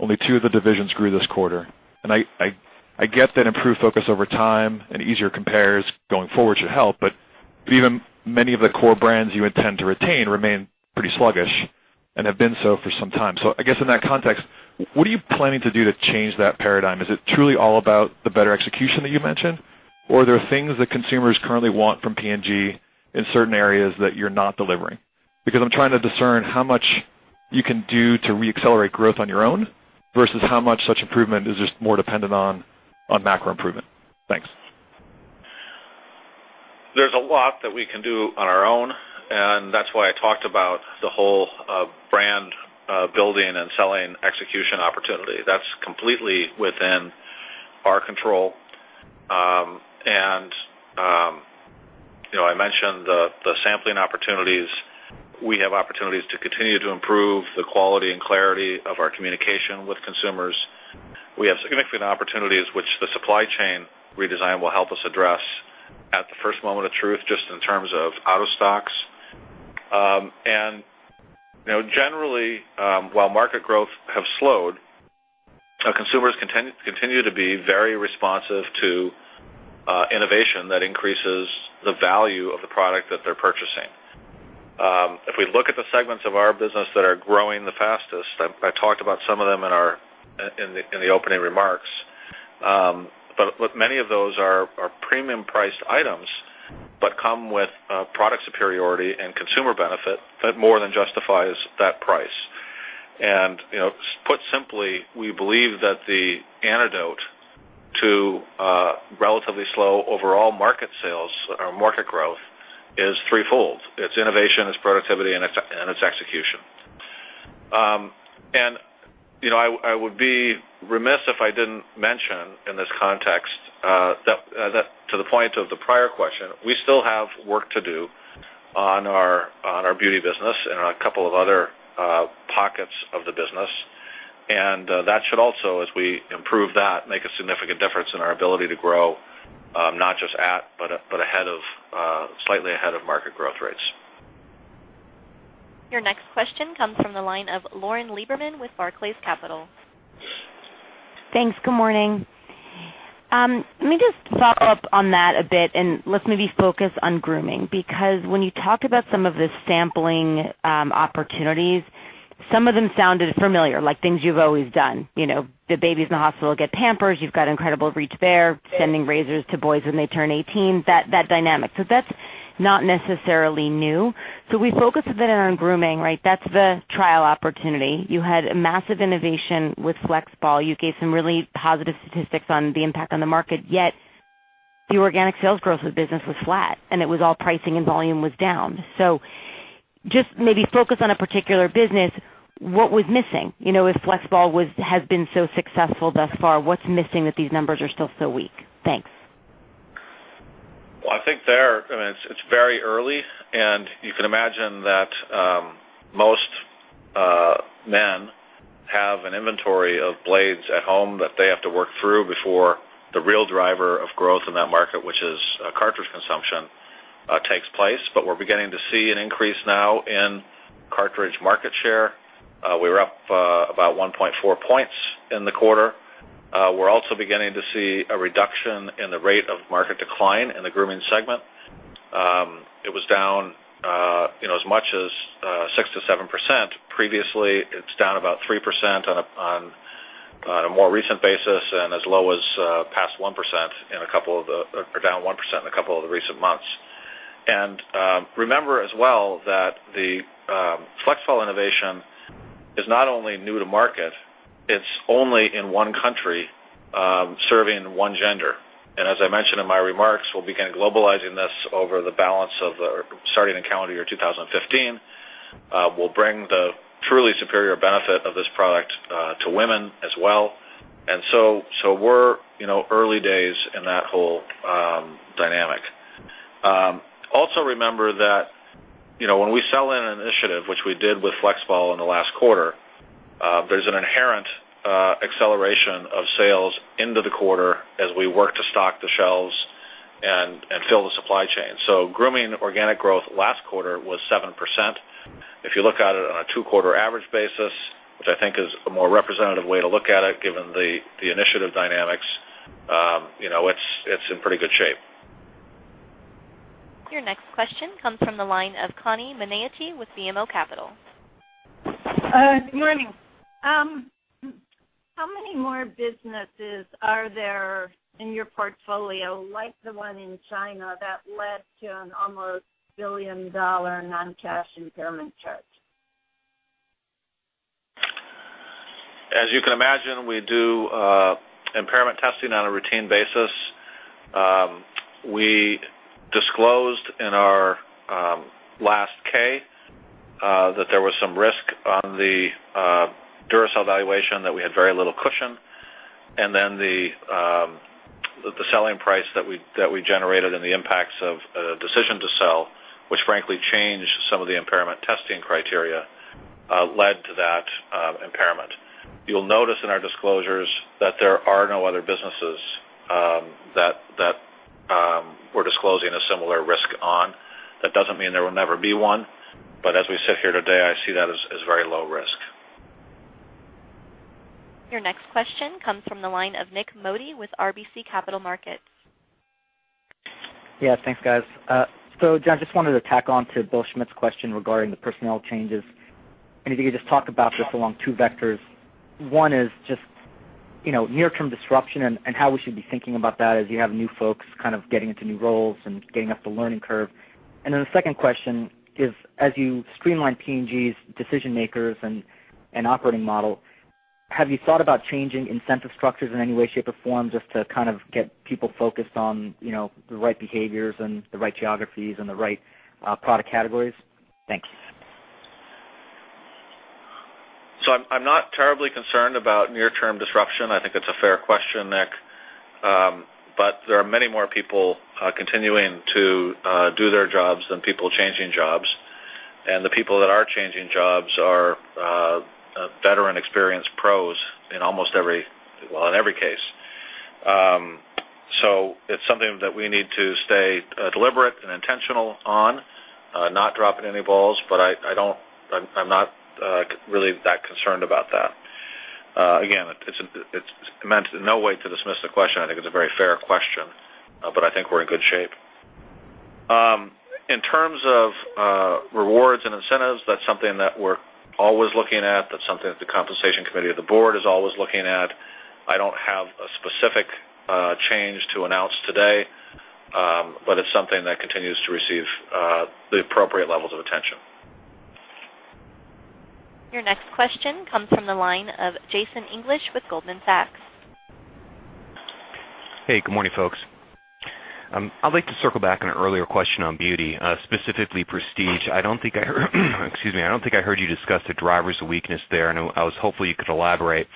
Speaker 11: Only two of the divisions grew this quarter. I get that improved focus over time and easier compares going forward should help, but even many of the core brands you intend to retain remain pretty sluggish and have been so for some time. I guess in that context, what are you planning to do to change that paradigm? Is it truly all about the better execution that you mentioned, or are there things that consumers currently want from P&G in certain areas that you're not delivering? Because I'm trying to discern how much you can do to re-accelerate growth on your own versus how much such improvement is just more dependent on macro improvement. Thanks.
Speaker 2: There's a lot that we can do on our own, and that's why I talked about the whole brand building and selling execution opportunity. That's completely within our control. I mentioned the sampling opportunities. We have opportunities to continue to improve the quality and clarity of our communication with consumers. We have significant opportunities, which the supply chain redesign will help us address at the first moment of truth, just in terms of out of stocks. Generally, while market growth have slowed, our consumers continue to be very responsive to innovation that increases the value of the product that they're purchasing. If we look at the segments of our business that are growing the fastest, I talked about some of them in the opening remarks. Many of those are premium priced items, but come with product superiority and consumer benefit that more than justifies that price. Put simply, we believe that the antidote to slow overall market sales or market growth is threefold. It's innovation, it's productivity, and it's execution. I would be remiss if I didn't mention in this context that to the point of the prior question, we still have work to do on our beauty business and a couple of other pockets of the business. That should also, as we improve that, make a significant difference in our ability to grow, not just at, but slightly ahead of market growth rates.
Speaker 1: Your next question comes from the line of Lauren Lieberman with Barclays Capital.
Speaker 12: Thanks. Good morning. Let me just follow up on that a bit and let's maybe focus on grooming, because when you talk about some of the sampling opportunities, some of them sounded familiar, like things you've always done. The babies in the hospital get Pampers. You've got incredible reach there, sending razors to boys when they turn 18, that dynamic. That's not necessarily new. We focus a bit on grooming, right? That's the trial opportunity. You had a massive innovation with Flexball. You gave some really positive statistics on the impact on the market, yet the organic sales growth of the business was flat. It was all pricing and volume was down. Just maybe focus on a particular business. What was missing? If Flexball has been so successful thus far, what's missing that these numbers are still so weak? Thanks.
Speaker 2: Well, I think there, it's very early. You can imagine that most men have an inventory of blades at home that they have to work through before the real driver of growth in that market, which is cartridge consumption, takes place. We're beginning to see an increase now in cartridge market share. We were up about 1.4 points in the quarter. We're also beginning to see a reduction in the rate of market decline in the grooming segment. It was down as much as 6%-7% previously. It's down about 3% on a more recent basis and as low as past 1% in a couple of the or down 1% in a couple of the recent months. Remember as well that the Flexball innovation is not only new to market, it's only in one country, serving one gender. As I mentioned in my remarks, we'll begin globalizing this over the balance of the-- starting in calendar year 2015. We'll bring the truly superior benefit of this product to women as well. We're early days in that whole dynamic. Also remember that when we sell in an initiative, which we did with FlexBall in the last quarter, there's an inherent acceleration of sales into the quarter as we work to stock the shelves and fill the supply chain. Grooming organic growth last quarter was 7%. If you look at it on a two-quarter average basis, which I think is a more representative way to look at it given the initiative dynamics, it's in pretty good shape.
Speaker 1: Your next question comes from the line of Connie Maneaty with BMO Capital.
Speaker 13: Good morning. How many more businesses are there in your portfolio, like the one in China that led to an almost billion-dollar non-cash impairment charge?
Speaker 2: As you can imagine, we do impairment testing on a routine basis. We disclosed in our last K that there was some risk on the Duracell valuation that we had very little cushion, and then the selling price that we generated and the impacts of a decision to sell, which frankly changed some of the impairment testing criteria, led to that impairment. You'll notice in our disclosures that there are no other businesses that we're disclosing a similar risk on. That doesn't mean there will never be one. As we sit here today, I see that as very low risk.
Speaker 1: Your next question comes from the line of Nik Modi with RBC Capital Markets.
Speaker 14: Yeah. Thanks, guys. Jon, just wanted to tack on to Bill Schmitz's question regarding the personnel changes. If you could just talk about this along two vectors. One is just near-term disruption and how we should be thinking about that as you have new folks kind of getting into new roles and getting up the learning curve. The second question is, as you streamline P&G's decision-makers and operating model, have you thought about changing incentive structures in any way, shape, or form, just to kind of get people focused on the right behaviors and the right geographies and the right product categories? Thanks.
Speaker 2: I'm not terribly concerned about near-term disruption. I think that's a fair question, Nick. There are many more people continuing to do their jobs than people changing jobs. The people that are changing jobs are veteran experienced pros in almost every, well, in every case. It's something that we need to stay deliberate and intentional on, not dropping any balls. I'm not really that concerned about that. Again, it's meant in no way to dismiss the question. I think it's a very fair question, I think we're in good shape. In terms of rewards and incentives, that's something that we're always looking at. That's something that the compensation committee of the board is always looking at. I don't have a specific change to announce today, but it's something that continues to receive the appropriate levels of attention.
Speaker 1: Your next question comes from the line of Jason English with Goldman Sachs.
Speaker 15: Hey, good morning, folks. I'd like to circle back on an earlier question on beauty, specifically prestige. I don't think I heard you discuss the drivers of weakness there, and I was hopeful you could elaborate.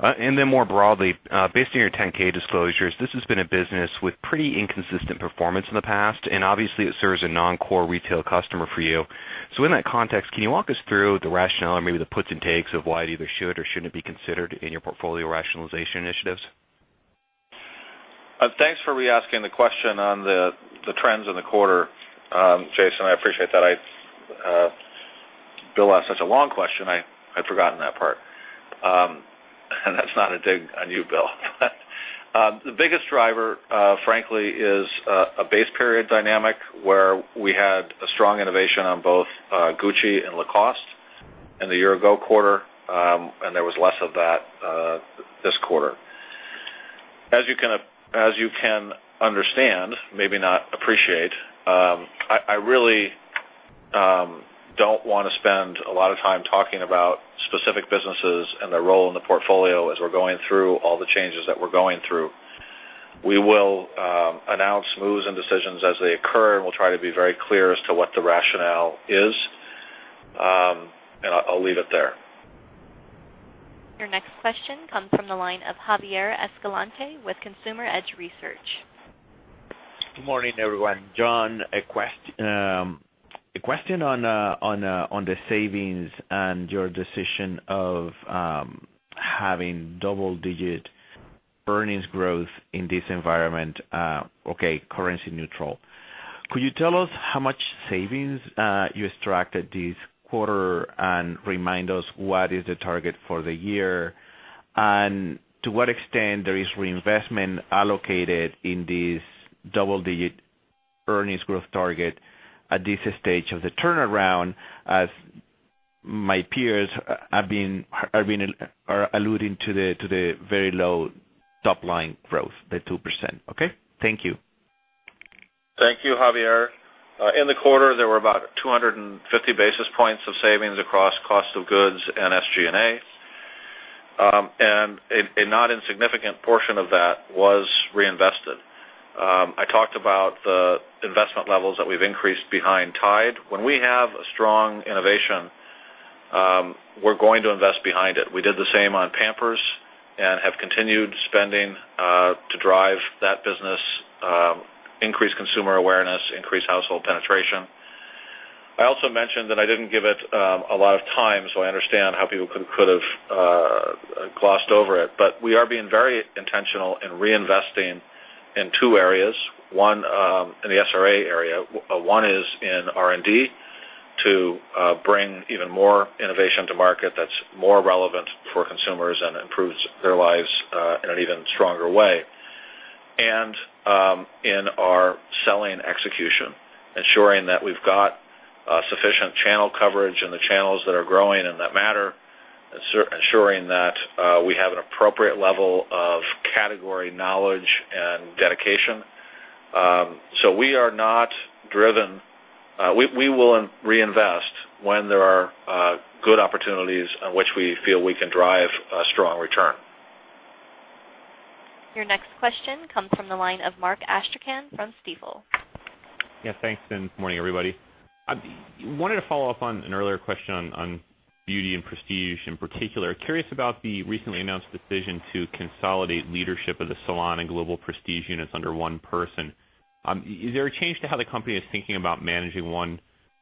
Speaker 15: More broadly, based on your 10-K disclosures, this has been a business with pretty inconsistent performance in the past, and obviously it serves a non-core retail customer for you. In that context, can you walk us through the rationale or maybe the puts and takes of why it either should or shouldn't be considered in your portfolio rationalization initiatives?
Speaker 2: Thanks for re-asking the question on the trends in the quarter, Jason. I appreciate that. Bill asked such a long question, I'd forgotten that part. That's not a dig on you, Bill. The biggest driver, frankly, is a base period dynamic where we had a strong innovation on both Gucci and Lacoste in the year ago quarter, and there was less of that this quarter. As you can understand, maybe not appreciate, I really don't want to spend a lot of time talking about specific businesses and their role in the portfolio as we're going through all the changes that we're going through. We will announce moves and decisions as they occur, and we'll try to be very clear as to what the rationale is. I'll leave it there.
Speaker 1: Your next question comes from the line of Javier Escalante with Consumer Edge Research.
Speaker 16: Good morning, everyone. Jon, a question on the savings and your decision of having double-digit earnings growth in this environment. Okay, currency neutral. Could you tell us how much savings you extracted this quarter and remind us what is the target for the year? To what extent there is reinvestment allocated in this double-digit earnings growth target at this stage of the turnaround, as my peers are alluding to the very low top-line growth, the 2%? Okay, thank you.
Speaker 2: Thank you, Javier. In the quarter, there were about 250 basis points of savings across cost of goods and SG&A. A not insignificant portion of that was reinvested. I talked about the investment levels that we've increased behind Tide. When we have a strong innovation, we're going to invest behind it. We did the same on Pampers and have continued spending to drive that business, increase consumer awareness, increase household penetration. I also mentioned that I didn't give it a lot of time, so I understand how people could have glossed over it. We are being very intentional in reinvesting in two areas. One in the SRA area. One is in R&D to bring even more innovation to market that's more relevant for consumers and improves their lives in an even stronger way. In our selling execution, ensuring that we've got sufficient channel coverage in the channels that are growing and that matter, ensuring that we have an appropriate level of category knowledge and dedication. We will reinvest when there are good opportunities in which we feel we can drive a strong return.
Speaker 1: Your next question comes from the line of Mark Astrachan from Stifel.
Speaker 17: Yeah, thanks, and good morning, everybody. I wanted to follow up on an earlier question on beauty and prestige in particular. Curious about the recently announced decision to consolidate leadership of the salon and global prestige units under one person. Is there a change to how the company is thinking about managing one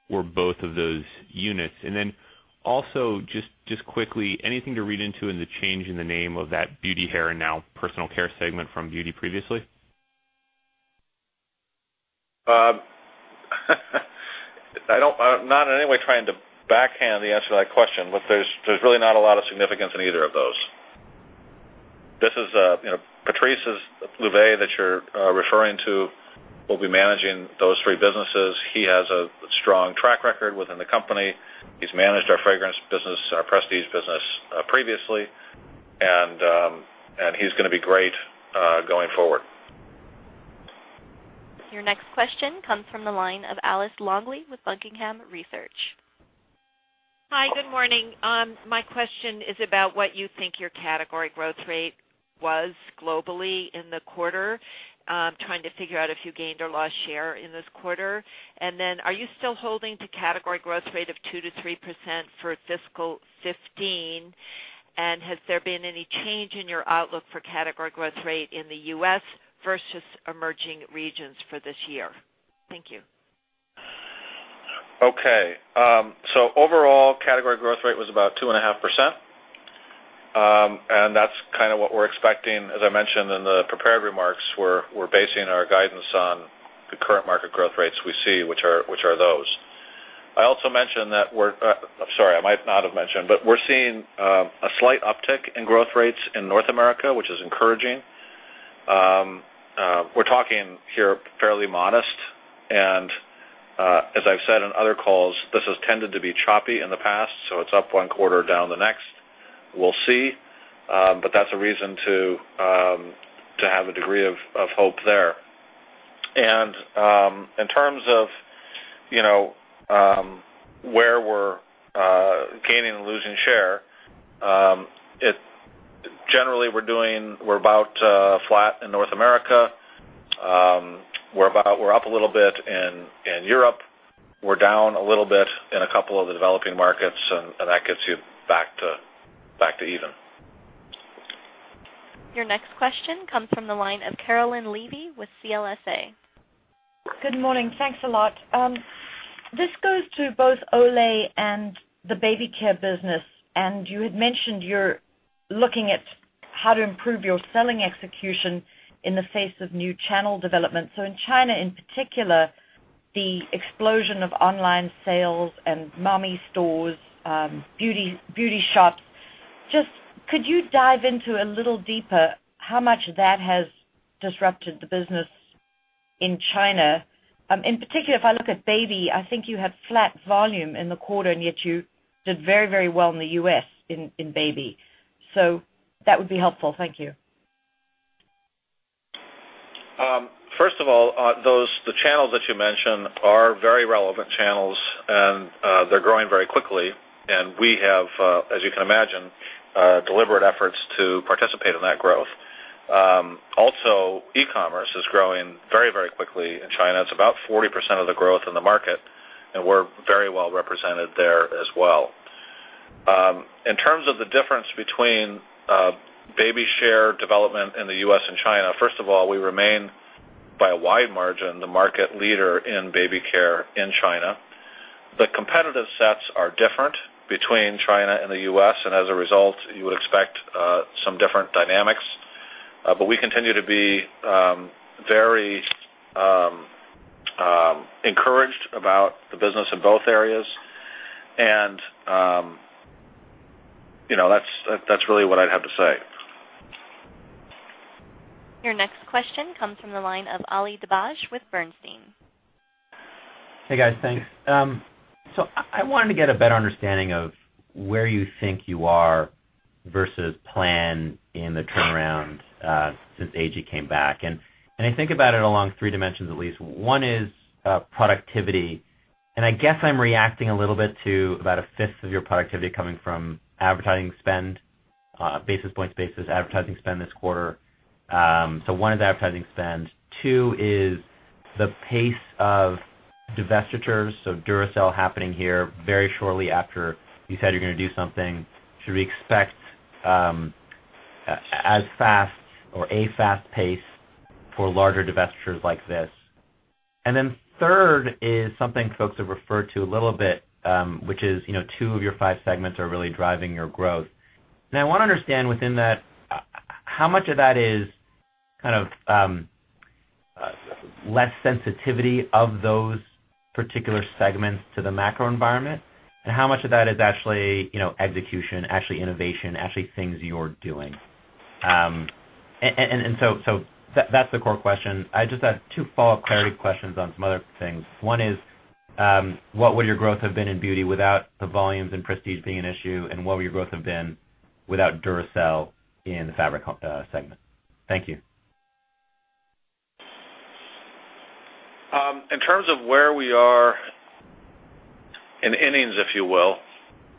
Speaker 17: or both of those units? Also, just quickly, anything to read into in the change in the name of that beauty, hair, and now personal care segment from beauty previously?
Speaker 2: I'm not in any way trying to backhand the answer to that question. There's really not a lot of significance in either of those. Patrice Louvet, that you're referring to, will be managing those three businesses. He has a strong track record within the company. He's managed our fragrance business and our prestige business previously. He's going to be great going forward.
Speaker 1: Your next question comes from the line of Alice Longley with Buckingham Research.
Speaker 18: Hi, good morning. My question is about what you think your category growth rate was globally in the quarter. I'm trying to figure out if you gained or lost share in this quarter. Are you still holding to category growth rate of 2%-3% for fiscal 2015? Has there been any change in your outlook for category growth rate in the U.S. versus emerging regions for this year? Thank you.
Speaker 2: Overall, category growth rate was about 2.5%. That's kind of what we're expecting. As I mentioned in the prepared remarks, we're basing our guidance on the current market growth rates we see, which are those. I also mentioned that I'm sorry, I might not have mentioned, we're seeing a slight uptick in growth rates in North America, which is encouraging. We're talking here fairly modest, and as I've said on other calls, this has tended to be choppy in the past, so it's up one quarter, down the next. We'll see. That's a reason to have a degree of hope there. In terms of where we're gaining and losing share, generally we're about flat in North America. We're up a little bit in Europe. We're down a little bit in a couple of the developing markets, and that gets you back to even.
Speaker 1: Your next question comes from the line of Caroline Levy with CLSA.
Speaker 19: Good morning. Thanks a lot. This goes to both Olay and the baby care business. You had mentioned you're looking at how to improve your selling execution in the face of new channel development. In China, in particular, the explosion of online sales and mommy stores, beauty shops. Just could you dive into a little deeper how much that has disrupted the business in China? In particular, if I look at baby, I think you had flat volume in the quarter, yet you did very well in the U.S. in baby. That would be helpful. Thank you.
Speaker 2: First of all, the channels that you mentioned are very relevant channels, and they're growing very quickly. We have, as you can imagine, deliberate efforts to participate in that growth. E-commerce is growing very quickly in China. It's about 40% of the growth in the market, and we're very well represented there as well. In terms of the difference between baby share development in the U.S. and China, first of all, we remain by a wide margin, the market leader in baby care in China. The competitive sets are different between China and the U.S., and as a result, you would expect some different dynamics. We continue to be very encouraged about the business in both areas. That's really what I'd have to say.
Speaker 1: Your next question comes from the line of Ali Dibadj with Bernstein.
Speaker 20: Hey, guys. Thanks. I wanted to get a better understanding of where you think you are versus plan in the turnaround since AG came back. I think about it along three dimensions, at least. One is productivity. I guess I'm reacting a little bit to about a fifth of your productivity coming from advertising spend, basis points, basis advertising spend this quarter. One is advertising spend. Two is the pace of divestitures. Duracell happening here very shortly after you said you're going to do something. Should we expect as fast or a fast pace for larger divestitures like this? Third is something folks have referred to a little bit, which is two of your five segments are really driving your growth. I want to understand within that, how much of that is kind of less sensitivity of those particular segments to the macro environment, and how much of that is actually execution, actually innovation, actually things you're doing? That's the core question. I just had two follow-up clarity questions on some other things. One is, what would your growth have been in beauty without the volumes and prestige being an issue? And what would your growth have been without Duracell in the fabric segment? Thank you.
Speaker 2: In terms of where we are in innings, if you will,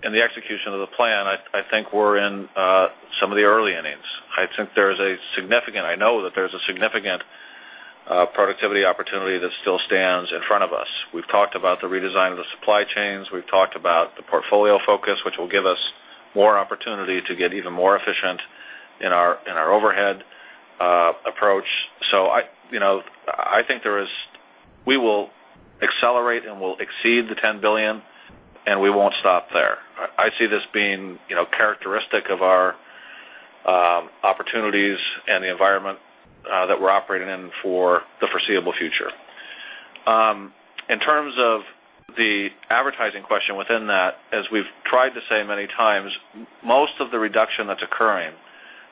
Speaker 2: in the execution of the plan, I think we're in some of the early innings. I know that there's a significant productivity opportunity that still stands in front of us. We've talked about the redesign of the supply chains. We've talked about the portfolio focus, which will give us more opportunity to get even more efficient in our overhead approach. I think we will accelerate, and we'll exceed the $10 billion, and we won't stop there. I see this being characteristic of our opportunities and the environment that we're operating in for the foreseeable future. In terms of the advertising question within that, as we've tried to say many times, most of the reduction that's occurring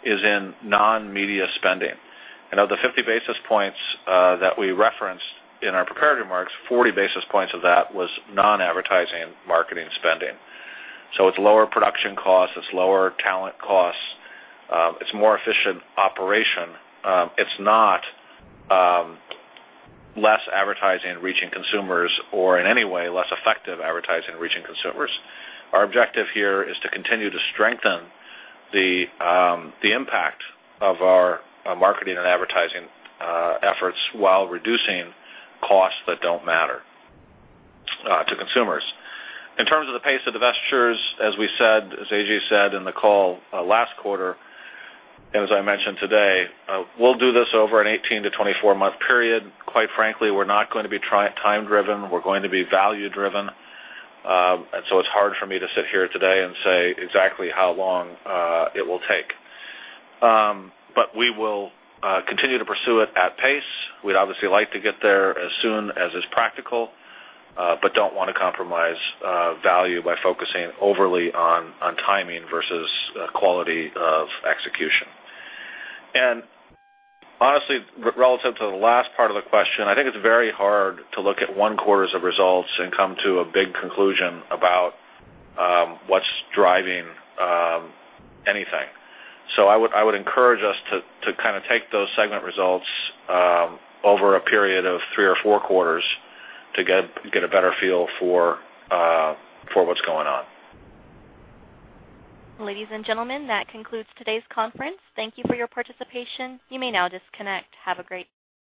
Speaker 2: is in non-media spending. Of the 50 basis points that we referenced in our prepared remarks, 40 basis points of that was non-advertising marketing spending. It's lower production costs, it's lower talent costs, it's more efficient operation. It's not less advertising reaching consumers or in any way less effective advertising reaching consumers. Our objective here is to continue to strengthen the impact of our marketing and advertising efforts while reducing costs that don't matter to consumers. In terms of the pace of divestitures, as we said, as AG said in the call last quarter, as I mentioned today, we'll do this over an 18 to 24-month period. Quite frankly, we're not going to be time-driven. We're going to be value-driven. It's hard for me to sit here today and say exactly how long it will take. We will continue to pursue it at pace. We'd obviously like to get there as soon as is practical, but don't want to compromise value by focusing overly on timing versus quality of execution. Honestly, relative to the last part of the question, I think it's very hard to look at one quarter of results and come to a big conclusion about what's driving anything. I would encourage us to kind of take those segment results over a period of three or four quarters to get a better feel for what's going on.
Speaker 1: Ladies and gentlemen, that concludes today's conference. Thank you for your participation. You may now disconnect. Have a great day.